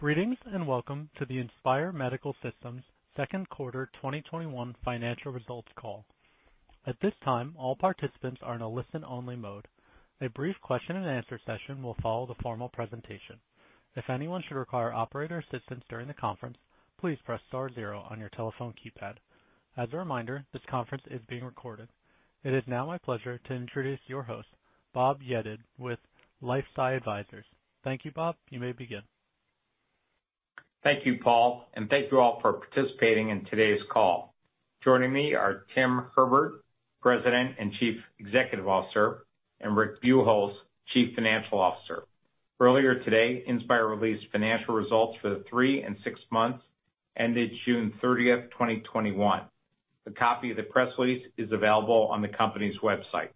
Greetings and welcome to the Inspire Medical Systems second quarter 2021 financial results call. At this time, all participants are in a listen-only mode. A brief question and answer session will follow the formal presentation. If anyone should require operator assistance during the conference, please press star zero on your telephone keypad. As a reminder, this conference is being recorded. It is now my pleasure to introduce your host, Bob Yedid, with LifeSci Advisors. Thank you, Bob. You may begin. Thank you, Paul, and thank you all for participating in today's call. Joining me are Tim Herbert, President and Chief Executive Officer, and Rick Buchholz, Chief Financial Officer. Earlier today, Inspire released financial results for the three and six months ended June 30th, 2021. A copy of the press release is available on the company's website.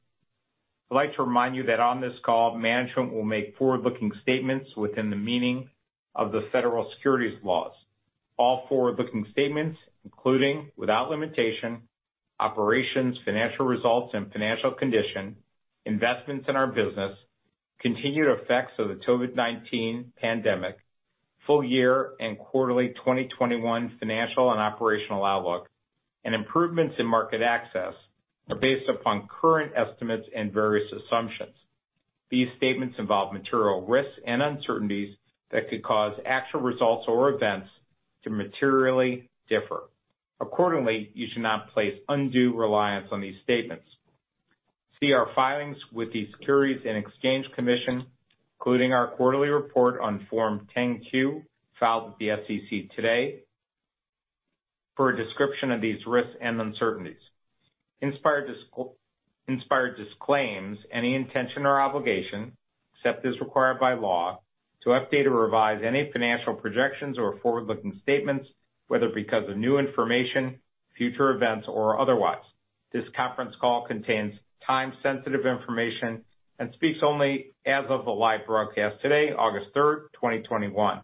I'd like to remind you that on this call, management will make forward-looking statements within the meaning of the federal securities laws. All forward-looking statements, including, without limitation, operations, financial results and financial condition, investments in our business, continued effects of the COVID-19 pandemic, full year and quarterly 2021 financial and operational outlook, and improvements in market access are based upon current estimates and various assumptions. These statements involve material risks and uncertainties that could cause actual results or events to materially differ. Accordingly, you should not place undue reliance on these statements. See our filings with the Securities and Exchange Commission, including our quarterly report on Form 10-Q filed with the SEC today for a description of these risks and uncertainties. Inspire disclaims any intention or obligation, except as required by law, to update or revise any financial projections or forward-looking statements, whether because of new information, future events, or otherwise. This conference call contains time-sensitive information and speaks only as of the live broadcast today, August 3rd, 2021.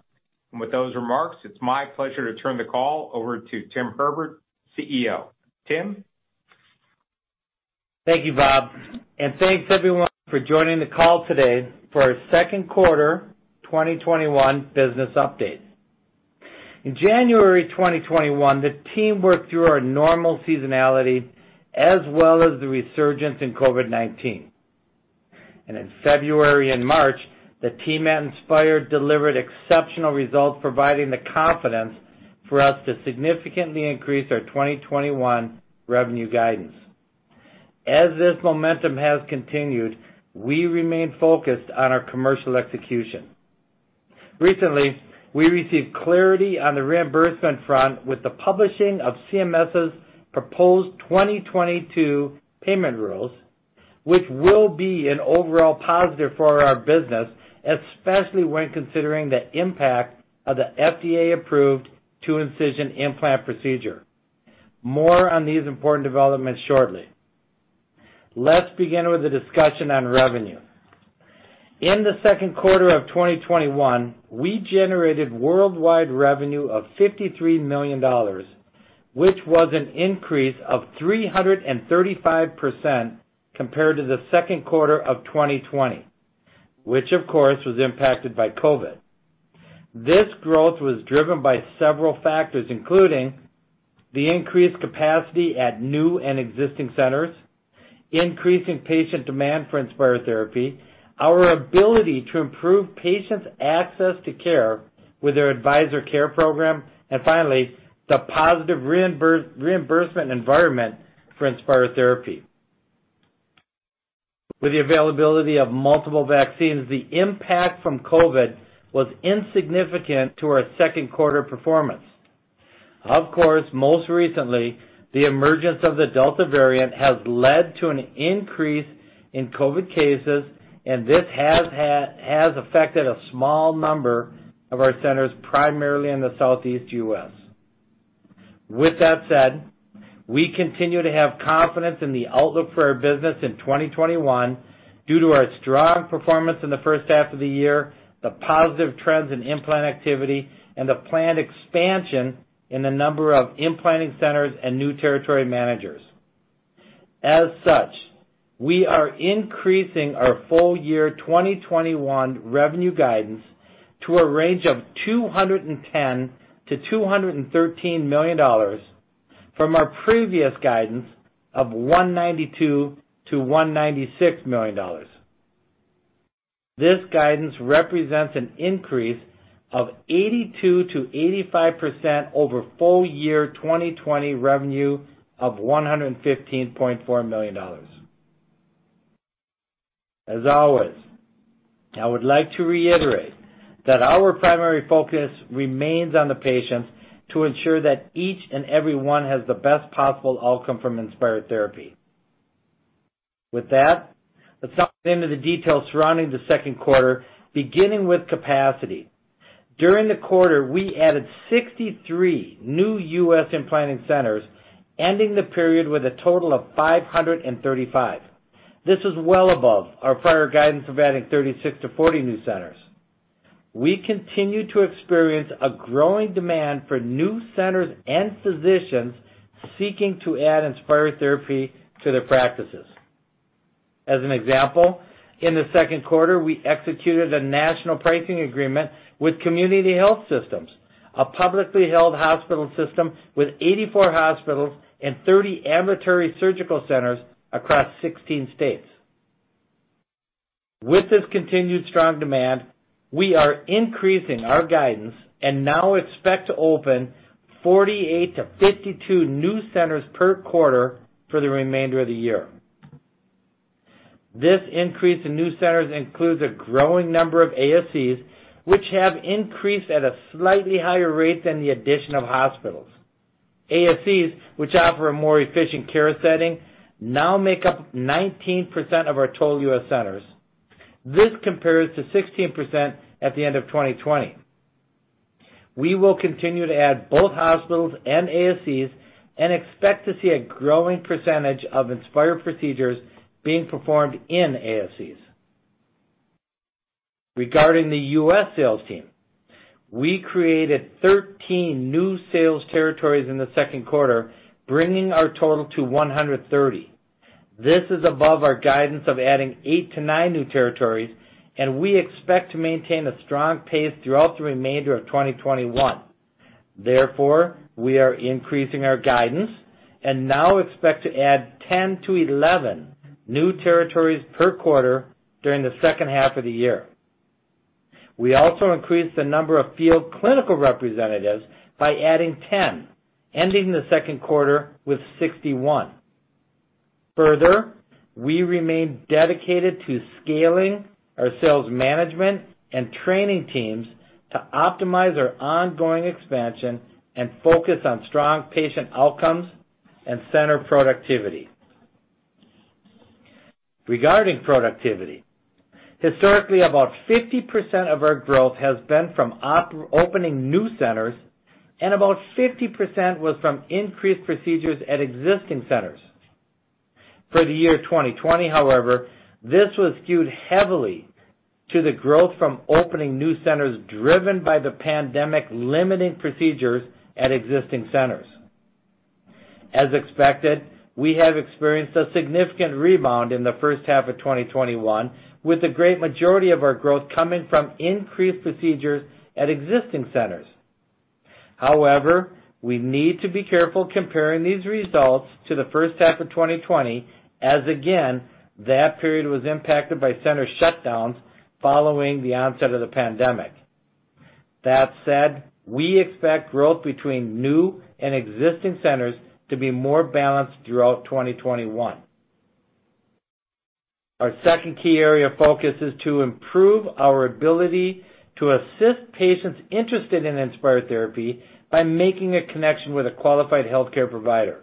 With those remarks, it's my pleasure to turn the call over to Tim Herbert, CEO. Tim? Thank you, Bob, and thanks everyone for joining the call today for our second quarter 2021 business update. In January 2021, the team worked through our normal seasonality as well as the resurgence in COVID-19. In February and March, the team at Inspire delivered exceptional results providing the confidence for us to significantly increase our 2021 revenue guidance. As this momentum has continued, we remain focused on our commercial execution. Recently, we received clarity on the reimbursement front with the publishing of CMS's proposed 2022 payment rules, which will be an overall positive for our business, especially when considering the impact of the FDA-approved 2-incision implant procedure. More on these important developments shortly. Let's begin with a discussion on revenue. In the second quarter of 2021, we generated worldwide revenue of $53 million, which was an increase of 335% compared to the second quarter of 2020, which of course was impacted by COVID. This growth was driven by several factors, including the increased capacity at new and existing centers, increasing patient demand for Inspire therapy, our ability to improve patients' access to care with our Advisor Care Program, and finally, the positive reimbursement environment for Inspire therapy. With the availability of multiple vaccines, the impact from COVID was insignificant to our second quarter performance. Of course, most recently, the emergence of the Delta variant has led to an increase in COVID cases, and this has affected a small number of our centers, primarily in the Southeast U.S. With that said, we continue to have confidence in the outlook for our business in 2021 due to our strong performance in the first half of the year, the positive trends in implant activity, and the planned expansion in the number of implanting centers and new territory managers. As such, we are increasing our full year 2021 revenue guidance to a range of $210 million-$213 million from our previous guidance of $192 million-$196 million. This guidance represents an increase of 82%-85% over full year 2020 revenue of $115.4 million. As always, I would like to reiterate that our primary focus remains on the patients to ensure that each and every one has the best possible outcome from Inspire therapy. With that, let's hop into the details surrounding the second quarter, beginning with capacity. During the quarter, we added 63 new U.S. implanting centers, ending the period with a total of 535. This is well above our prior guidance of adding 36-40 new centers. We continue to experience a growing demand for new centers and physicians seeking to add Inspire therapy to their practices. As an example, in the second quarter, we executed a national pricing agreement with Community Health Systems, a publicly held hospital system with 84 hospitals and 30 ambulatory surgery centers across 16 states. With this continued strong demand, we are increasing our guidance and now expect to open 48-52 new centers per quarter for the remainder of the year. This increase in new centers includes a growing number of ASCs, which have increased at a slightly higher rate than the addition of hospitals. ASCs, which offer a more efficient care setting, now make up 19% of our total U.S. centers. This compares to 16% at the end of 2020. We will continue to add both hospitals and ASCs and expect to see a growing percentage of Inspire procedures being performed in ASCs. Regarding the U.S. sales team, we created 13 new sales territories in the second quarter, bringing our total to 130. This is above our guidance of adding eight to nine new territories, we expect to maintain a strong pace throughout the remainder of 2021. We are increasing our guidance and now expect to add 10 to 11 new territories per quarter during the second half of the year. We also increased the number of field clinical representatives by adding 10, ending the second quarter with 61. Further, we remain dedicated to scaling our sales management and training teams to optimize our ongoing expansion and focus on strong patient outcomes and center productivity. Regarding productivity, historically, about 50% of our growth has been from opening new centers, and about 50% was from increased procedures at existing centers. For the year 2020, however, this was skewed heavily to the growth from opening new centers, driven by the pandemic limiting procedures at existing centers. As expected, we have experienced a significant rebound in the first half of 2021, with the great majority of our growth coming from increased procedures at existing centers. We need to be careful comparing these results to the first half of 2020, as again, that period was impacted by center shutdowns following the onset of the pandemic. That said, we expect growth between new and existing centers to be more balanced throughout 2021. Our second key area of focus is to improve our ability to assist patients interested in Inspire therapy by making a connection with a qualified healthcare provider.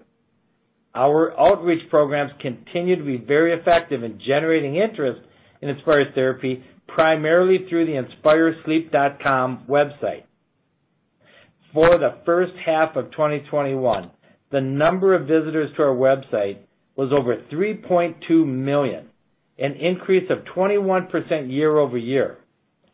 Our outreach programs continue to be very effective in generating interest in Inspire therapy, primarily through the inspiresleep.com website. For the first half of 2021, the number of visitors to our website was over 3.2 million, an increase of 21% year-over-year.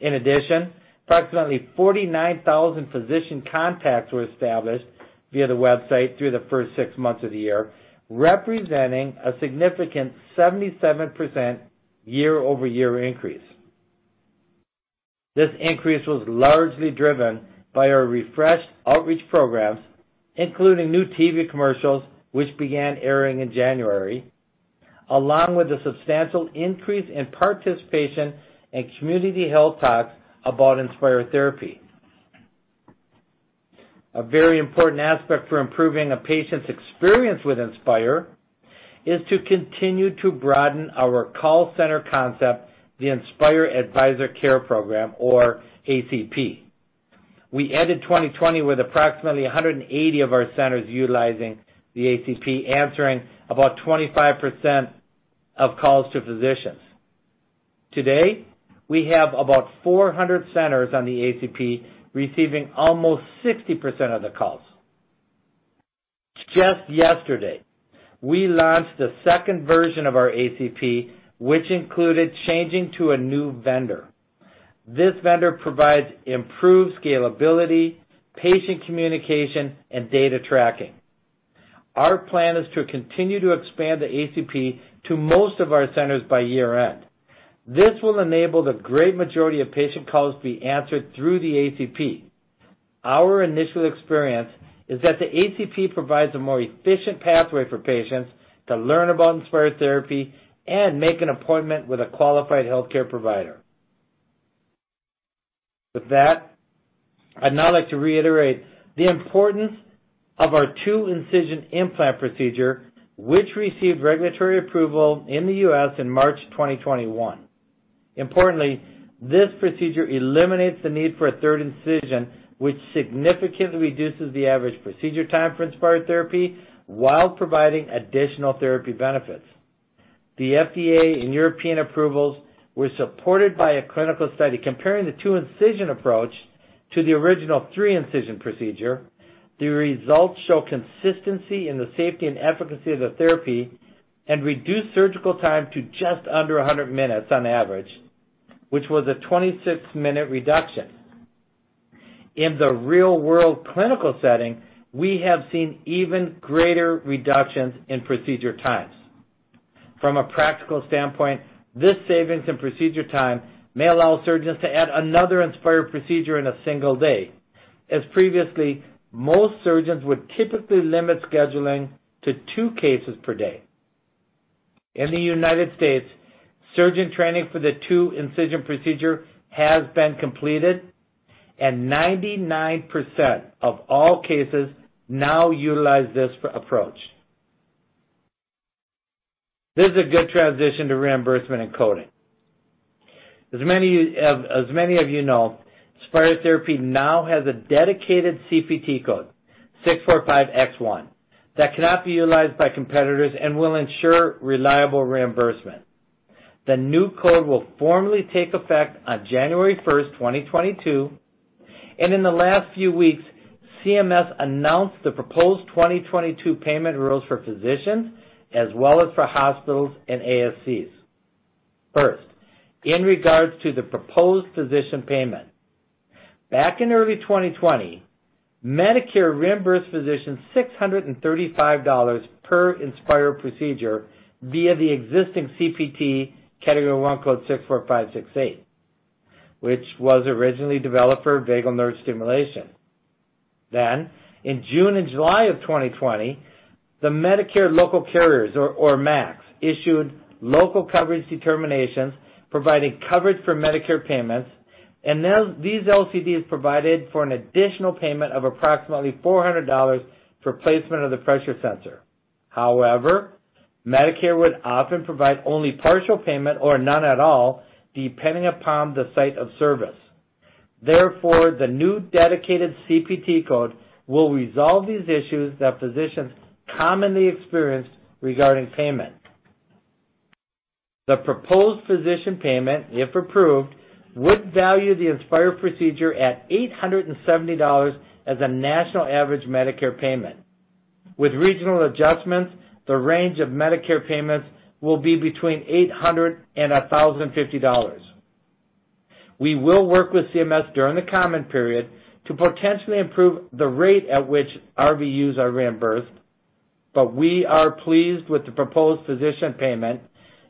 In addition, approximately 49,000 physician contacts were established via the website through the first six months of the year, representing a significant 77% year-over-year increase. This increase was largely driven by our refreshed outreach programs, including new TV commercials, which began airing in January, along with a substantial increase in participation and community health talks about Inspire therapy. A very important aspect for improving a patient's experience with Inspire is to continue to broaden our call center concept, the Inspire Advisor Care Program, or ACP. We ended 2020 with approximately 180 of our centers utilizing the ACP, answering about 25% of calls to physicians. Today, we have about 400 centers on the ACP, receiving almost 60% of the calls. Just yesterday, we launched the second version of our ACP, which included changing to a new vendor. This vendor provides improved scalability, patient communication, and data tracking. Our plan is to continue to expand the ACP to most of our centers by year-end. This will enable the great majority of patient calls to be answered through the ACP. Our initial experience is that the ACP provides a more efficient pathway for patients to learn about Inspire therapy and make an appointment with a qualified healthcare provider. With that, I'd now like to reiterate the importance of our 2-incision implant procedure, which received regulatory approval in the U.S. in March 2021. Importantly, this procedure eliminates the need for a 3rd incision, which significantly reduces the average procedure time for Inspire therapy while providing additional therapy benefits. The FDA and European approvals were supported by a clinical study comparing the 2-incision approach to the original 3-incision procedure. The results show consistency in the safety and efficacy of the therapy and reduce surgical time to just under 100 minutes on average, which was a 26-minute reduction. In the real-world clinical setting, we have seen even greater reductions in procedure times. From a practical standpoint, this savings in procedure time may allow surgeons to add another Inspire procedure in a single day. As previously, most surgeons would typically limit scheduling to two cases per day. In the United States, surgeon training for the 2-incision procedure has been completed, and 99% of all cases now utilize this approach. This is a good transition to reimbursement and coding. As many of you know, Inspire therapy now has a dedicated CPT code, 645X1, that cannot be utilized by competitors and will ensure reliable reimbursement. The new code will formally take effect on January 1st, 2022, and in the last few weeks, CMS announced the proposed 2022 payment rules for physicians, as well as for hospitals and ASCs. First, in regards to the proposed physician payment. Back in early 2020, Medicare reimbursed physicians $635 per Inspire procedure via the existing CPT category 1 code 64568, which was originally developed for vagus nerve stimulation. In June and July of 2020, the Medicare Local Carriers, or MACs, issued Local Coverage Determinations providing coverage for Medicare payments, and these LCDs provided for an additional payment of approximately $400 for placement of the pressure sensor. Medicare would often provide only partial payment or none at all, depending upon the site of service. The new dedicated CPT code will resolve these issues that physicians commonly experience regarding payment. The proposed physician payment, if approved, would value the Inspire procedure at $870 as a national average Medicare payment. With regional adjustments, the range of Medicare payments will be between $800 and $1,050. We will work with CMS during the comment period to potentially improve the rate at which RVUs are reimbursed, but we are pleased with the proposed physician payment,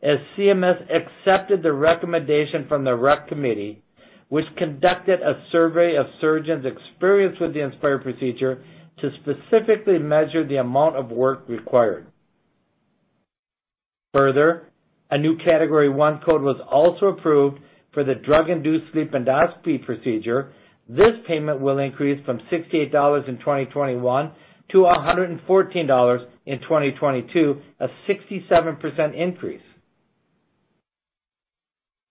as CMS accepted the recommendation from the RUC committee, which conducted a survey of surgeons experienced with the Inspire procedure to specifically measure the amount of work required. Further, a new category 1 code was also approved for the drug-induced sleep endoscopy procedure. This payment will increase from $68 in 2021 to $114 in 2022, a 67% increase.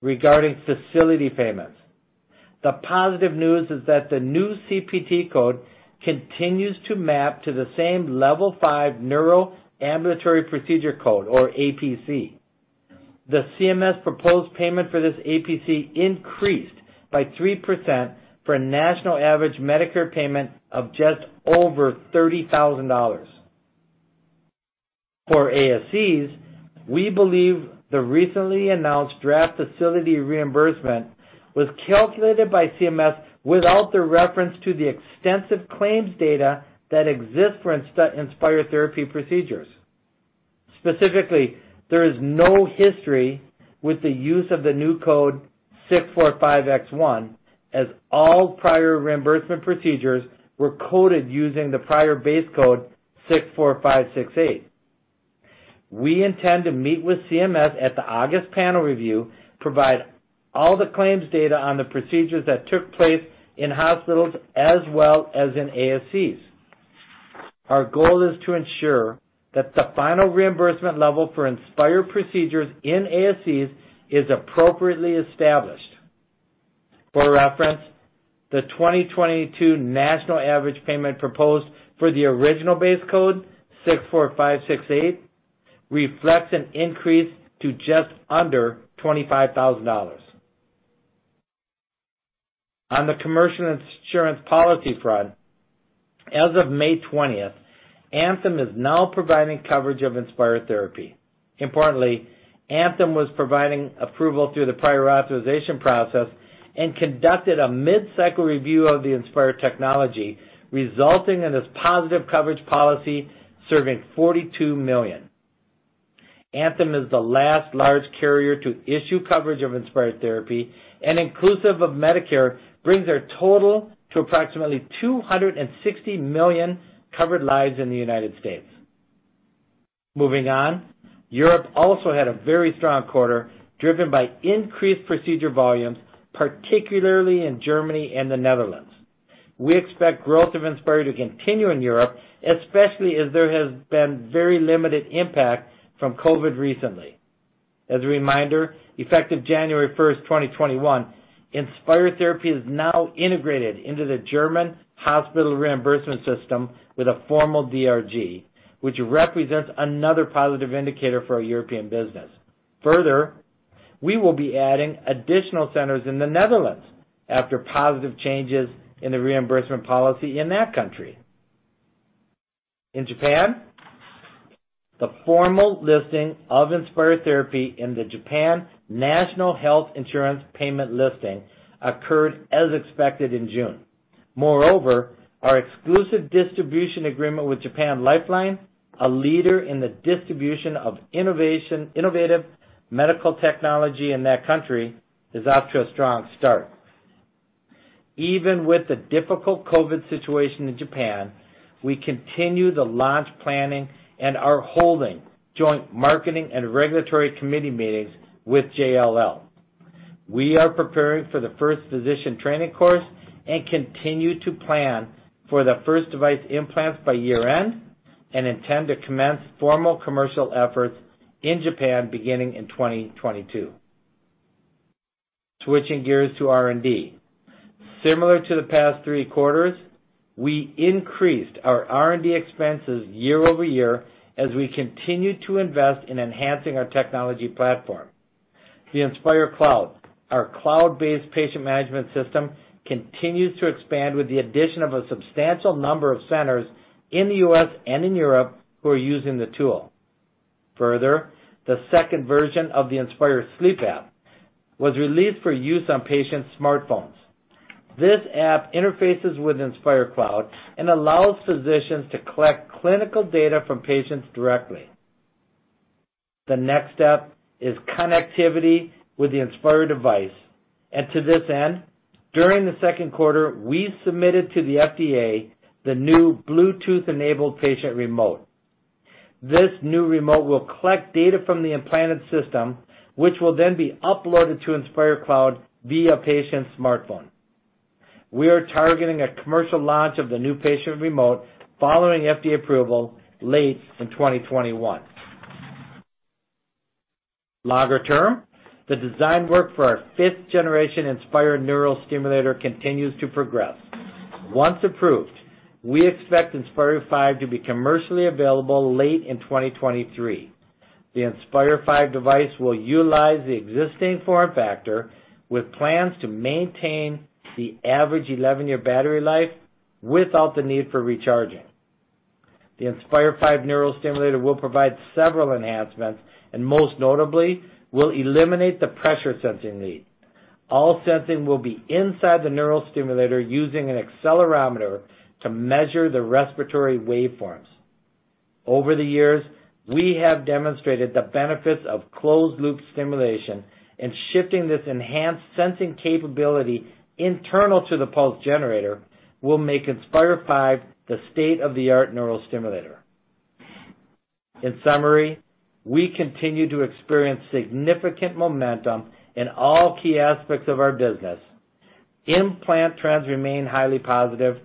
Regarding facility payments, the positive news is that the new CPT code continues to map to the same Level 5 neurostimulator procedure code or APC. The CMS proposed payment for this APC increased by 3% for a national average Medicare payment of just over $30,000. For ASCs, we believe the recently announced draft facility reimbursement was calculated by CMS without the reference to the extensive claims data that exists for Inspire therapy procedures. Specifically, there is no history with the use of the new code 645X1, as all prior reimbursement procedures were coded using the prior base code 64568. We intend to meet with CMS at the August panel review, provide all the claims data on the procedures that took place in hospitals as well as in ASCs. Our goal is to ensure that the final reimbursement level for Inspire procedures in ASCs is appropriately established. For reference, the 2022 national average payment proposed for the original base code, 64568, reflects an increase to just under $25,000. On the commercial insurance policy front, as of May 20th, Anthem is now providing coverage of Inspire therapy. Importantly, Anthem was providing approval through the prior authorization process and conducted a mid-cycle review of the Inspire technology, resulting in this positive coverage policy serving 42 million. Anthem is the last large carrier to issue coverage of Inspire therapy, and inclusive of Medicare, brings their total to approximately 260 million covered lives in the United States. Moving on, Europe also had a very strong quarter, driven by increased procedure volumes, particularly in Germany and the Netherlands. We expect growth of Inspire to continue in Europe, especially as there has been very limited impact from COVID recently. As a reminder, effective January 1st, 2021, Inspire therapy is now integrated into the German hospital reimbursement system with a formal DRG, which represents another positive indicator for our European business. Further, we will be adding additional centers in the Netherlands after positive changes in the reimbursement policy in that country. In Japan, the formal listing of Inspire therapy in the Japan National Health Insurance Payment Listing occurred as expected in June. Moreover, our exclusive distribution agreement with Japan Lifeline, a leader in the distribution of innovative medical technology in that country, is off to a strong start. Even with the difficult COVID situation in Japan, we continue the launch planning and are holding joint marketing and regulatory committee meetings with JLL. We are preparing for the first physician training course and continue to plan for the first device implants by year-end, and intend to commence formal commercial efforts in Japan beginning in 2022. Switching gears to R&D. Similar to the past three quarters, we increased our R&D expenses year-over-year as we continued to invest in enhancing our technology platform. The Inspire Cloud, our cloud-based patient management system, continues to expand with the addition of a substantial number of centers in the U.S. and in Europe who are using the tool. Further, the second version of the Inspire Sleep app was released for use on patients' smartphones. This app interfaces with Inspire Cloud and allows physicians to collect clinical data from patients directly. The next step is connectivity with the inspired device. To this end, during the second quarter, we submitted to the FDA the new Bluetooth-enabled patient remote. This new remote will collect data from the implanted system, which will then be uploaded to Inspire Cloud via patient's smartphone. We are targeting a commercial launch of the new patient remote following FDA approval late in 2021. Longer-term, the design work for our fifth-generation Inspire neurostimulator continues to progress. Once approved, we expect Inspire V to be commercially available late in 2023. The Inspire V device will utilize the existing form factor with plans to maintain the average 11-year battery life without the need for recharging. The Inspire V neurostimulator will provide several enhancements, and most notably, will eliminate the pressure sensing need. All sensing will be inside the neurostimulator using an accelerometer to measure the respiratory waveforms. Over the years, we have demonstrated the benefits of closed loop stimulation, and shifting this enhanced sensing capability internal to the pulse generator will make Inspire V the state-of-the-art neurostimulator. In summary, we continue to experience significant momentum in all key aspects of our business. Implant trends remain highly positive.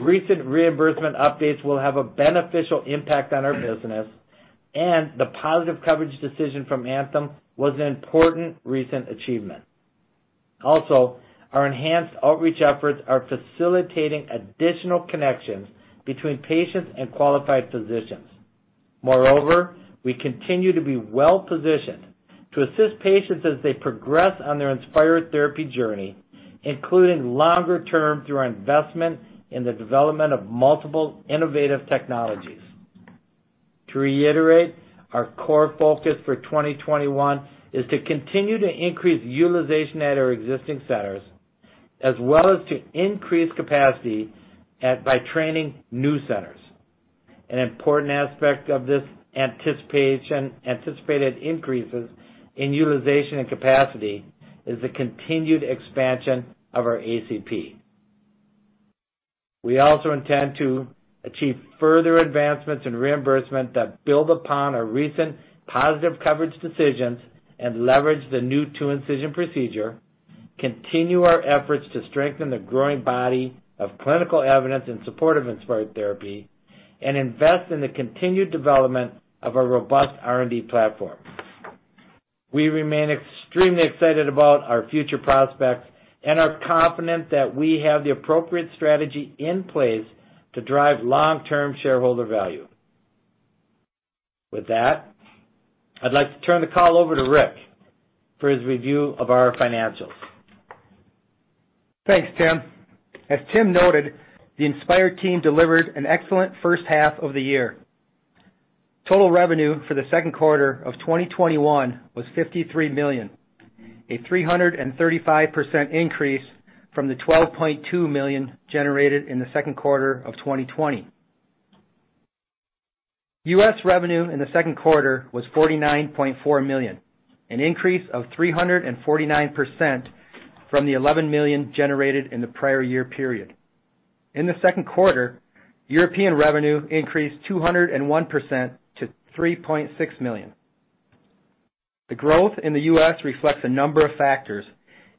Recent reimbursement updates will have a beneficial impact on our business. The positive coverage decision from Anthem was an important recent achievement. Our enhanced outreach efforts are facilitating additional connections between patients and qualified physicians. We continue to be well-positioned to assist patients as they progress on their Inspire therapy journey, including longer-term through our investment in the development of multiple innovative technologies. To reiterate, our core focus for 2021 is to continue to increase utilization at our existing centers, as well as to increase capacity by training new centers. An important aspect of this anticipated increases in utilization and capacity is the continued expansion of our ACP. We also intend to achieve further advancements in reimbursement that build upon our recent positive coverage decisions and leverage the new 2-incision procedure, continue our efforts to strengthen the growing body of clinical evidence in support of Inspire therapy, and invest in the continued development of our robust R&D platform. We remain extremely excited about our future prospects and are confident that we have the appropriate strategy in place to drive long-term shareholder value. With that, I'd like to turn the call over to Rick for his review of our financials. Thanks, Tim. As Tim noted, the Inspire team delivered an excellent first half of the year. Total revenue for the second quarter of 2021 was $53 million, a 335% increase from the $12.2 million generated in the second quarter of 2020. U.S. revenue in the second quarter was $49.4 million, an increase of 349% from the $11 million generated in the prior year period. In the second quarter, European revenue increased 201% to $3.6 million. The growth in the U.S. reflects a number of factors,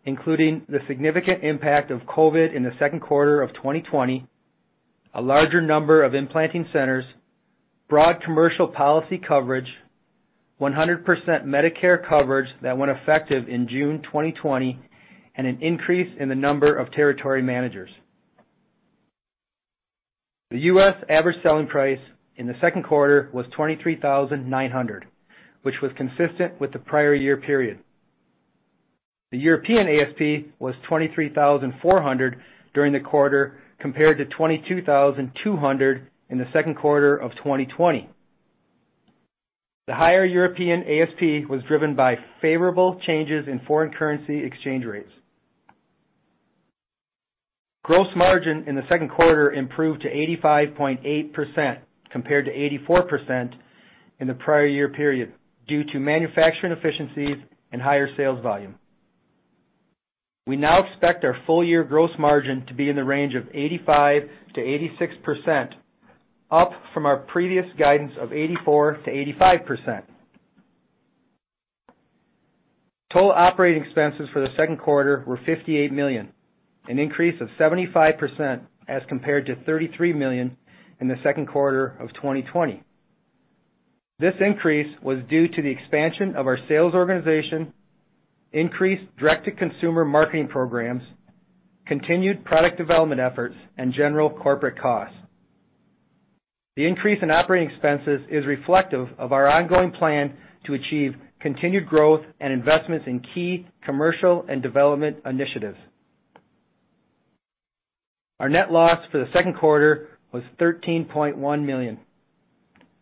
including the significant impact of COVID-19 in the second quarter of 2020, a larger number of implanting centers, broad commercial policy coverage, 100% Medicare coverage that went effective in June 2020, and an increase in the number of territory managers. The U.S. average selling price in the second quarter was $23,900, which was consistent with the prior-year period. The European ASP was $23,400 during the quarter, compared to $22,200 in the second quarter of 2020. The higher European ASP was driven by favorable changes in foreign currency exchange rates. Gross margin in the second quarter improved to 85.8% compared to 84% in the prior-year period due to manufacturing efficiencies and higher sales volume. We now expect our full-year gross margin to be in the range of 85%-86%, up from our previous guidance of 84%-85%. Total operating expenses for the second quarter were $58 million, an increase of 75% as compared to $33 million in the second quarter of 2020. This increase was due to the expansion of our sales organization, increased direct-to-consumer marketing programs, continued product development efforts, and general corporate costs. The increase in operating expenses is reflective of our ongoing plan to achieve continued growth and investments in key commercial and development initiatives. Our net loss for the second quarter was $13.1 million,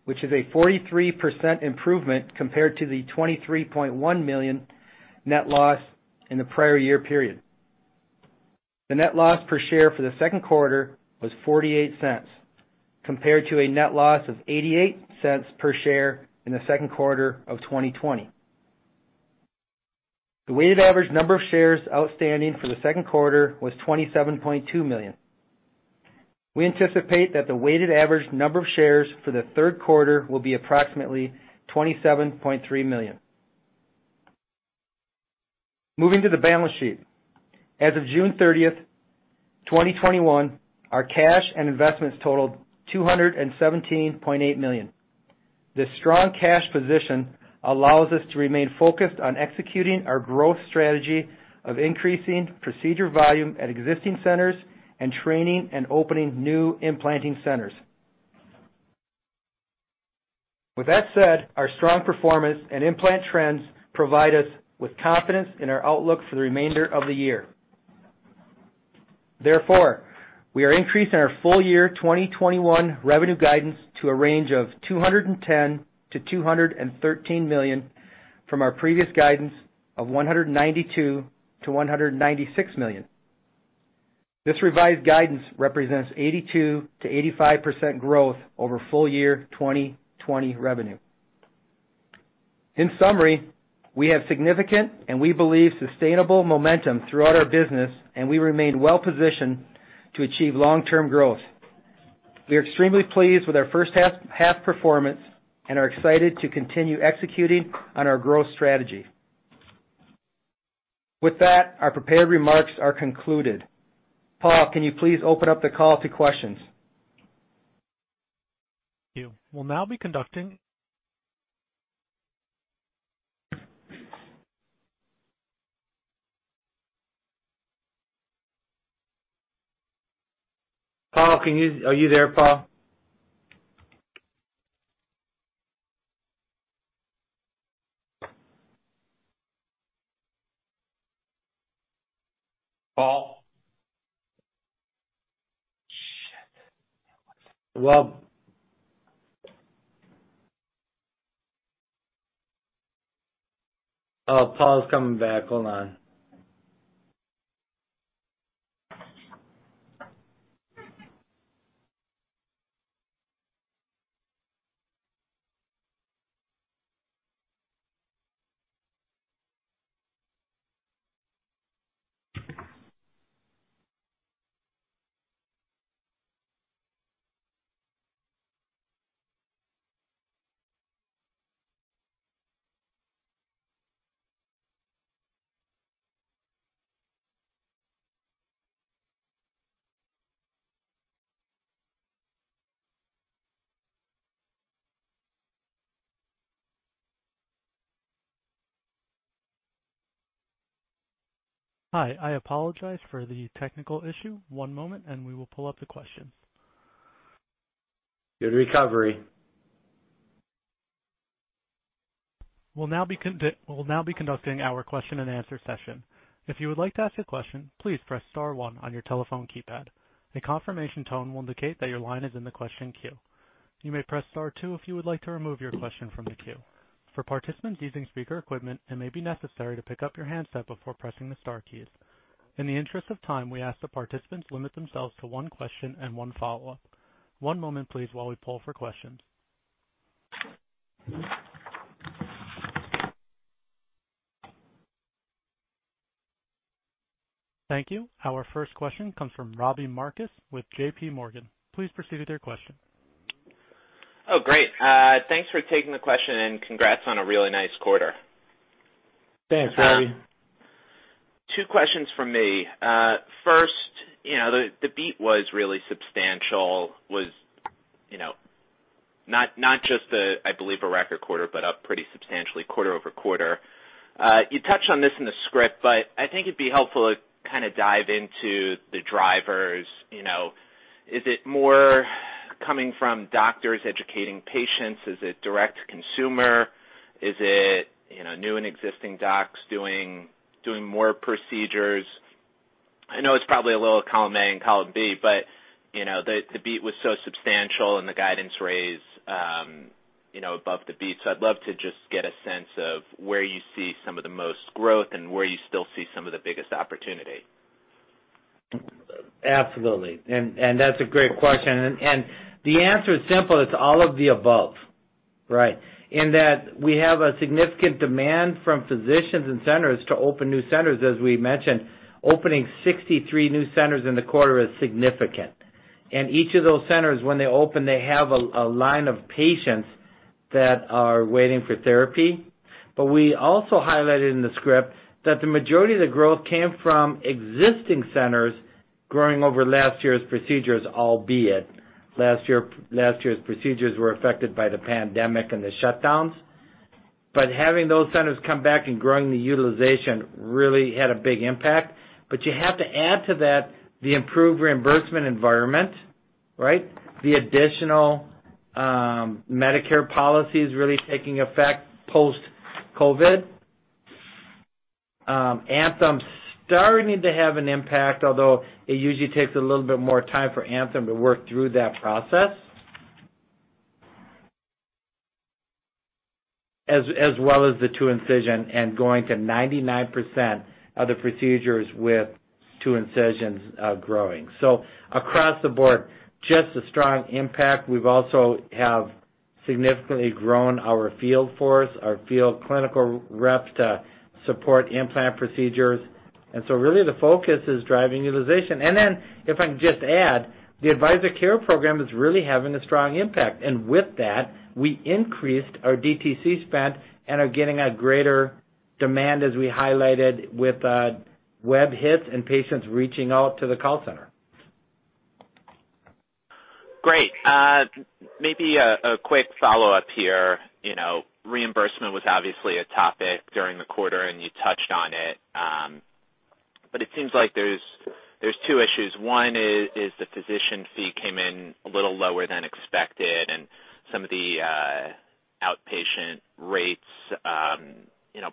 which is a 43% improvement compared to the $23.1 million net loss in the prior year period. The net loss per share for the second quarter was $0.48, compared to a net loss of $0.88 per share in the second quarter of 2020. The weighted average number of shares outstanding for the second quarter was 27.2 million. We anticipate that the weighted average number of shares for the third quarter will be approximately 27.3 million. Moving to the balance sheet. As of June 30th, 2021, our cash and investments totaled $217.8 million. This strong cash position allows us to remain focused on executing our growth strategy of increasing procedure volume at existing centers and training and opening new implanting centers. With that said, our strong performance and implant trends provide us with confidence in our outlook for the remainder of the year. We are increasing our full year 2021 revenue guidance to a range of $210 million-$213 million from our previous guidance of $192 million-$196 million. This revised guidance represents 82%-85% growth over full year 2020 revenue. In summary, we have significant, and we believe, sustainable momentum throughout our business, and we remain well positioned to achieve long-term growth. We are extremely pleased with our first half performance and are excited to continue executing on our growth strategy. With that, our prepared remarks are concluded. Paul, can you please open up the call to questions? We'll now be conducting Paul, are you there, Paul? Paul? Shit. Well, Paul's coming back. Hold on. Hi. I apologize for the technical issue. One moment and we will pull up the question. Good recovery. We'll now be conducting our question and answer session. If you would like to ask a question, please press star one on your telephone keypad. A confirmation tone will indicate that your line is in the question queue. You may press star two if you would like to remove your question from the queue. For participants using speaker equipment, it may be necessary to pick up your handset before pressing the star keys. In the interest of time, we ask that participants limit themselves to one question and one follow-up. One moment please while we pull for questions. Thank you. Our first question comes from Robbie Marcus with JPMorgan. Please proceed with your question. Oh, great. Thanks for taking the question, and congrats on a really nice quarter. Thanks, Robbie. Two questions from me. The beat was really substantial, was not just, I believe, a record quarter, but up pretty substantially quarter-over-quarter. You touched on this in the script, I think it'd be helpful to dive into the drivers. Is it more coming from doctors educating patients, is it direct to consumer? Is it new and existing docs doing more procedures? I know it's probably a little of column A and column B, the beat was so substantial and the guidance raised above the beat. I'd love to just get a sense of where you see some of the most growth and where you still see some of the biggest opportunity. Absolutely. That's a great question, and the answer is simple: it's all of the above. Right. In that we have a significant demand from physicians and centers to open new centers. As we mentioned, opening 63 new centers in the quarter is significant. Each of those centers, when they open, they have a line of patients that are waiting for therapy. We also highlighted in the script that the majority of the growth came from existing centers growing over last year's procedures, albeit last year's procedures were affected by the pandemic and the shutdowns. Having those centers come back and growing the utilization really had a big impact. You have to add to that the improved reimbursement environment, right? The additional Medicare policies really taking effect post-COVID. Anthem's starting to have an impact, although it usually takes a little bit more time for Anthem to work through that process. As well as the 2-incision and going to 99% of the procedures with 2-incisions growing. Across the board, just a strong impact. We've also have significantly grown our field force, our field clinical reps to support implant procedures. Really the focus is driving utilization. If I can just add, the Advisor Care Program is really having a strong impact. With that, we increased our DTC spend and are getting a greater demand, as we highlighted, with web hits and patients reaching out to the call center. Great. Maybe a quick follow-up here. Reimbursement was obviously a topic during the quarter, and you touched on it. It seems like there's two issues. One is the physician fee came in a little lower than expected and some of the outpatient rates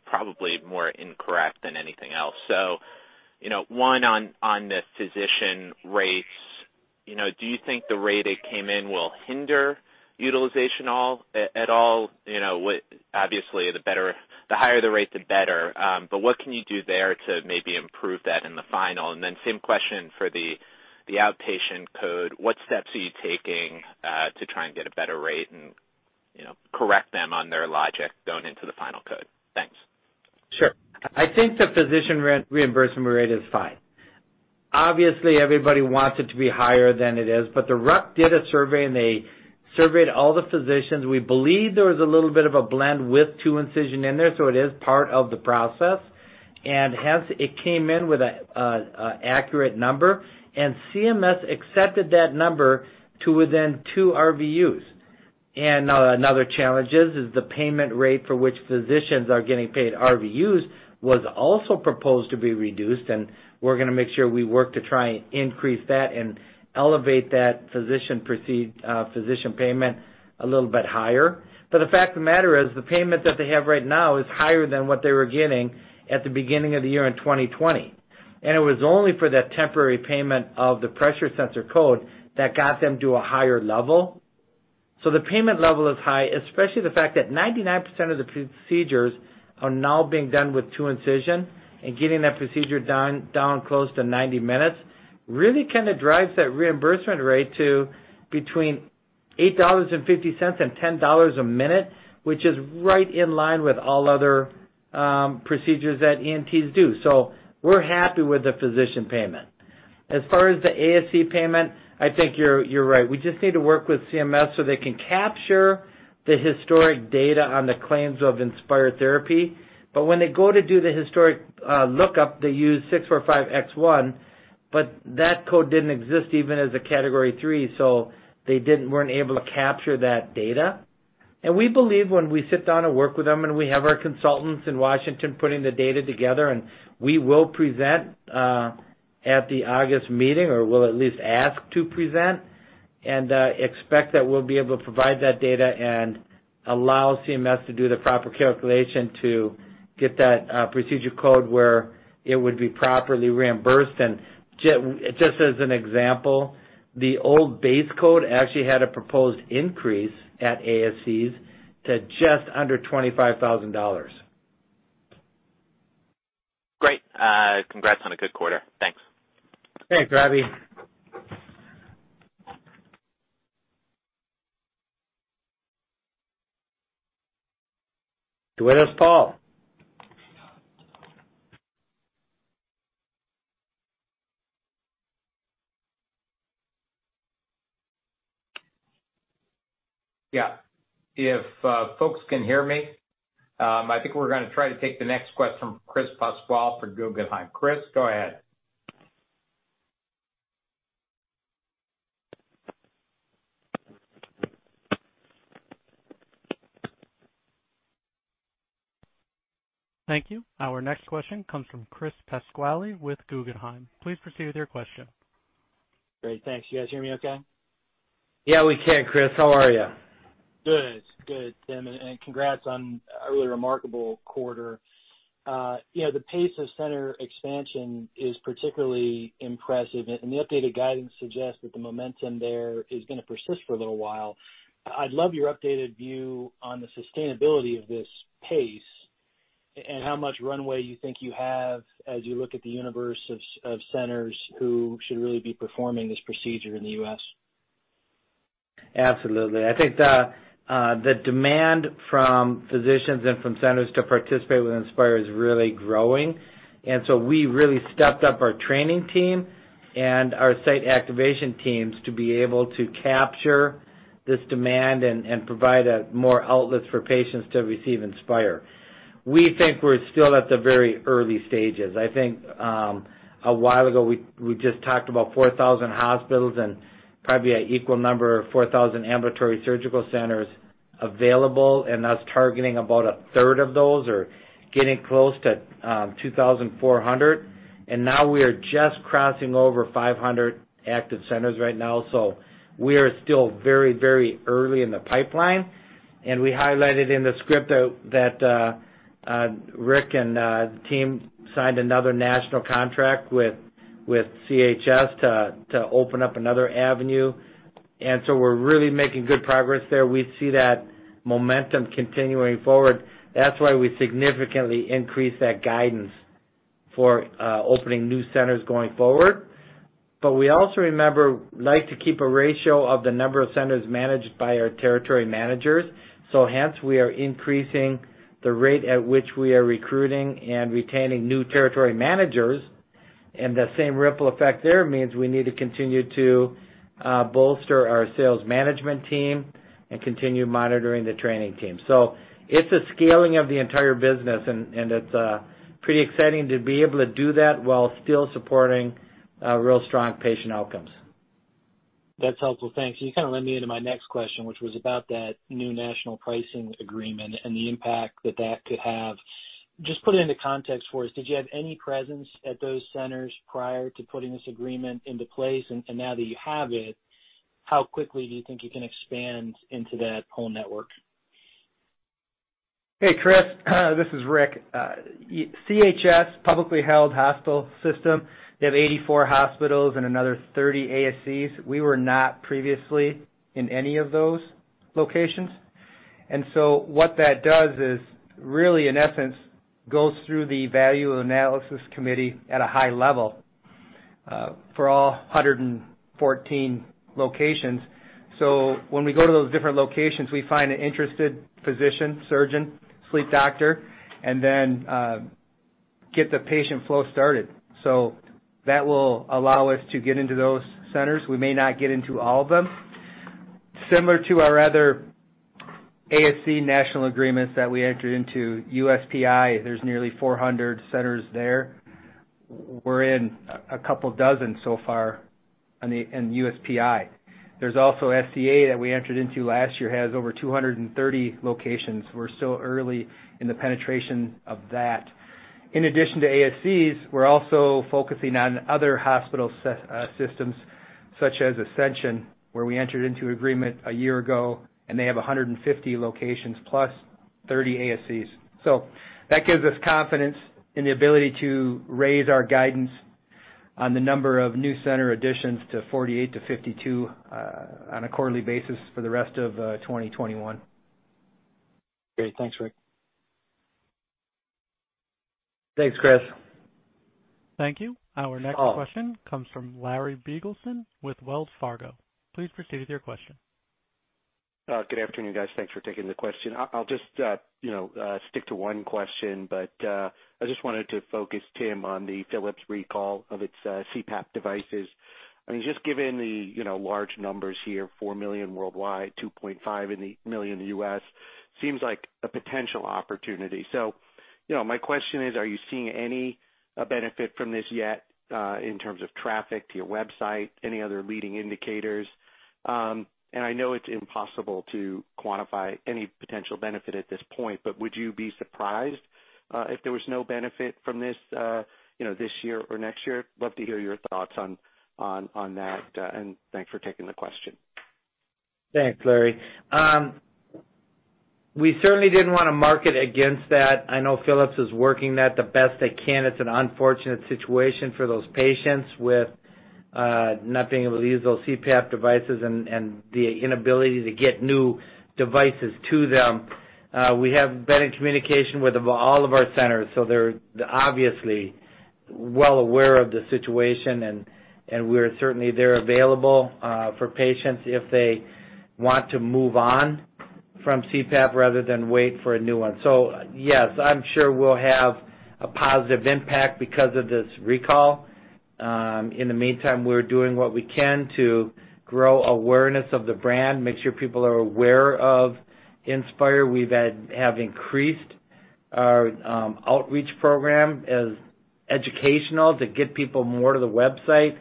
probably more incorrect than anything else. One on the physician rates. Do you think the rate it came in will hinder utilization at all? Obviously, the higher the rate, the better. What can you do there to maybe improve that in the final? Same question for the outpatient code. What steps are you taking to try and get a better rate and correct them on their logic going into the final code? Thanks. Sure. I think the physician reimbursement rate is fine. Obviously, everybody wants it to be higher than it is, but the RUC did a survey, and they surveyed all the physicians. We believe there was a little bit of a blend with 2-incision in there, so it is part of the process. Hence, it came in with an accurate number, and CMS accepted that number to within 2 RVUs. Another challenge is the payment rate for which physicians are getting paid RVUs was also proposed to be reduced, and we're going to make sure we work to try and increase that and elevate that physician payment a little bit higher. The fact of the matter is, the payment that they have right now is higher than what they were getting at the beginning of the year in 2020. It was only for that temporary payment of the pressure sensor code that got them to a higher level. The payment level is high, especially the fact that 99% of the procedures are now being done with 2-incision and getting that procedure done down close to 90 minutes really kind of drives that reimbursement rate to between $8.50 and $10 a minute, which is right in line with all other procedures that ENTs do. We're happy with the physician payment. As far as the ASC payment, I think you're right. We just need to work with CMS so they can capture the historic data on the claims of Inspire therapy. When they go to do the historic lookup, they use 645X1, but that code didn't exist even as a Category III, so they weren't able to capture that data. We believe when we sit down and work with them, we have our consultants in Washington putting the data together, we will present at the August meeting, or we'll at least ask to present, and expect that we'll be able to provide that data and allow CMS to do the proper calculation to get that procedure code where it would be properly reimbursed. Just as an example, the old base code actually had a proposed increase at ASCs to just under $25,000. Great. Congrats on a good quarter. Thanks. Thanks, Robbie. Go ahead, Paul. If folks can hear me, I think we're going to try to take the next question from Chris Pasquale for Guggenheim. Chris, go ahead. Thank you. Our next question comes from Chris Pasquale with Guggenheim. Please proceed with your question. Great. Thanks. You guys hear me okay? Yeah, we can, Chris. How are you? Good. Tim, congrats on a really remarkable quarter. The pace of center expansion is particularly impressive, and the updated guidance suggests that the momentum there is going to persist for a little while. I'd love your updated view on the sustainability of this pace and how much runway you think you have as you look at the universe of centers who should really be performing this procedure in the U.S. Absolutely. I think the demand from physicians and from centers to participate with Inspire is really growing. We really stepped up our training team and our site activation teams to be able to capture this demand and provide more outlets for patients to receive Inspire. We think we're still at the very early stages. I think, a while ago, we just talked about 4,000 hospitals and probably an equal number of 4,000 Ambulatory Surgery Centers available, and us targeting about a third of those or getting close to 2,400. We are just crossing over 500 active centers right now. We are still very early in the pipeline. We highlighted in the script that Rick and the team signed another national contract with CHS to open up another avenue. We're really making good progress there. We see that momentum continuing forward. That's why we significantly increased that guidance for opening new centers going forward. We also remember, like to keep a ratio of the number of centers managed by our territory managers. Hence, we are increasing the rate at which we are recruiting and retaining new territory managers. The same ripple effect there means we need to continue to bolster our sales management team and continue monitoring the training team. It's a scaling of the entire business, and it's pretty exciting to be able to do that while still supporting real strong patient outcomes. That's helpful. Thanks. You kind of led me into my next question, which was about that new national pricing agreement and the impact that that could have. Just put it into context for us, did you have any presence at those centers prior to putting this agreement into place? Now that you have it, how quickly do you think you can expand into that whole network? Hey, Chris, this is Rick. CHS, publicly held hospital system, they have 84 hospitals and another 30 ASCs. We were not previously in any of those locations. What that does is really, in essence, goes through the value analysis committee at a high level, for all 114 locations. When we go to those different locations, we find an interested physician, surgeon, sleep doctor, and then get the patient flow started. That will allow us to get into those centers. We may not get into all of them. Similar to our other ASC national agreements that we entered into, USPI, there's nearly 400 centers there. We're in a couple dozen so far in USPI. There's also SCA that we entered into last year, has over 230 locations. We're still early in the penetration of that. In addition to ASCs, we're also focusing on other hospital systems such as Ascension, where we entered into agreement a year ago, and they have 150 locations plus 30 ASCs. That gives us confidence in the ability to raise our guidance on the number of new center additions to 48-52 on a quarterly basis for the rest of 2021. Great. Thanks, Rick. Thanks, Chris. Thank you. Our next question comes from Larry Biegelsen with Wells Fargo. Please proceed with your question. Good afternoon, guys. Thanks for taking the question. I'll just stick to one question, but, I just wanted to focus, Tim, on the Philips recall of its CPAP devices. I mean, just given the large numbers here, 4 million worldwide, 2.5 million in the U.S., seems like a potential opportunity. My question is, are you seeing any benefit from this yet, in terms of traffic to your website, any other leading indicators? I know it's impossible to quantify any potential benefit at this point, but would you be surprised if there was no benefit from this this year or next year? Love to hear your thoughts on that. Thanks for taking the question. Thanks, Larry. We certainly didn't want to market against that. I know Philips is working that the best they can. It's an unfortunate situation for those patients with not being able to use those CPAP devices and the inability to get new devices to them. We have been in communication with all of our centers, so they're obviously well aware of the situation and we're certainly there available for patients if they want to move on from CPAP rather than wait for a new one. Yes, I'm sure we'll have a positive impact because of this recall. In the meantime, we're doing what we can to grow awareness of the brand, make sure people are aware of Inspire. We have increased our outreach program as educational to get people more to the website.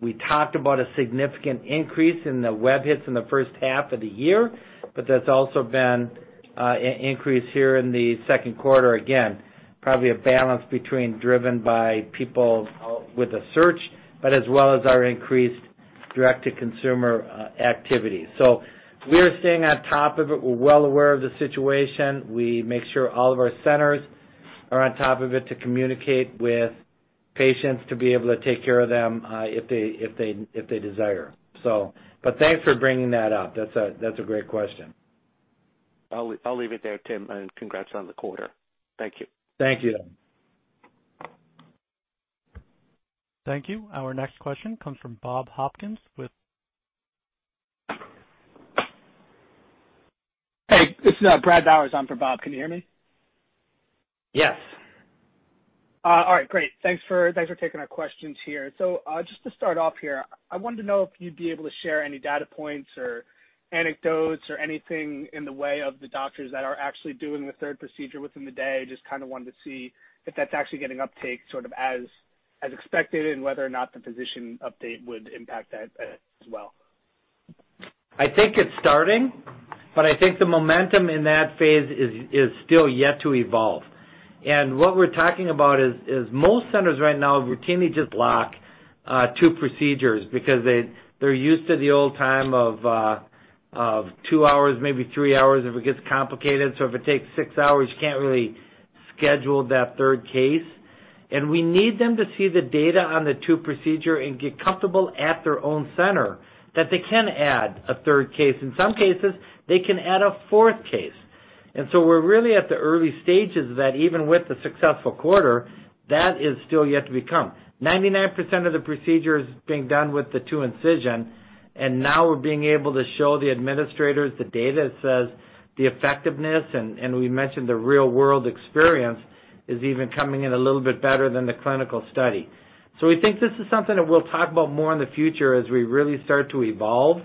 We talked about a significant increase in the web hits in the first half of the year, but there's also been an increase here in the second quarter. Again, probably a balance between driven by people with a search, but as well as our increased direct-to-consumer activity. We're staying on top of it. We're well aware of the situation. We make sure all of our centers are on top of it to communicate with patients to be able to take care of them if they desire. Thanks for bringing that up. That's a great question. I'll leave it there, Tim, and congrats on the quarter. Thank you. Thank you. Thank you. Our next question comes from Bob Hopkins with. Hey, this is Brett Fishbin on for Bob. Can you hear me? Yes. All right, great. Thanks for taking our questions here. I wanted to know if you'd be able to share any data points or anecdotes or anything in the way of the doctors that are actually doing the third procedure within the day. Just kind of wanted to see if that's actually getting uptake sort of as expected, and whether or not the physician update would impact that as well. I think it's starting, but I think the momentum in that phase is still yet to evolve. What we're talking about is most centers right now routinely just lock two procedures because they're used to the old time of two hours, maybe three hours if it gets complicated. If it takes six hours, you can't really schedule that third case. We need them to see the data on the two procedure and get comfortable at their own center that they can add a third case. In some cases, they can add a fourth case. We're really at the early stages of that. Even with the successful quarter, that is still yet to become. 99% of the procedure is being done with the 2-incision, now we're being able to show the administrators the data that says the effectiveness, we mentioned the real-world experience is even coming in a little bit better than the clinical study. We think this is something that we'll talk about more in the future as we really start to evolve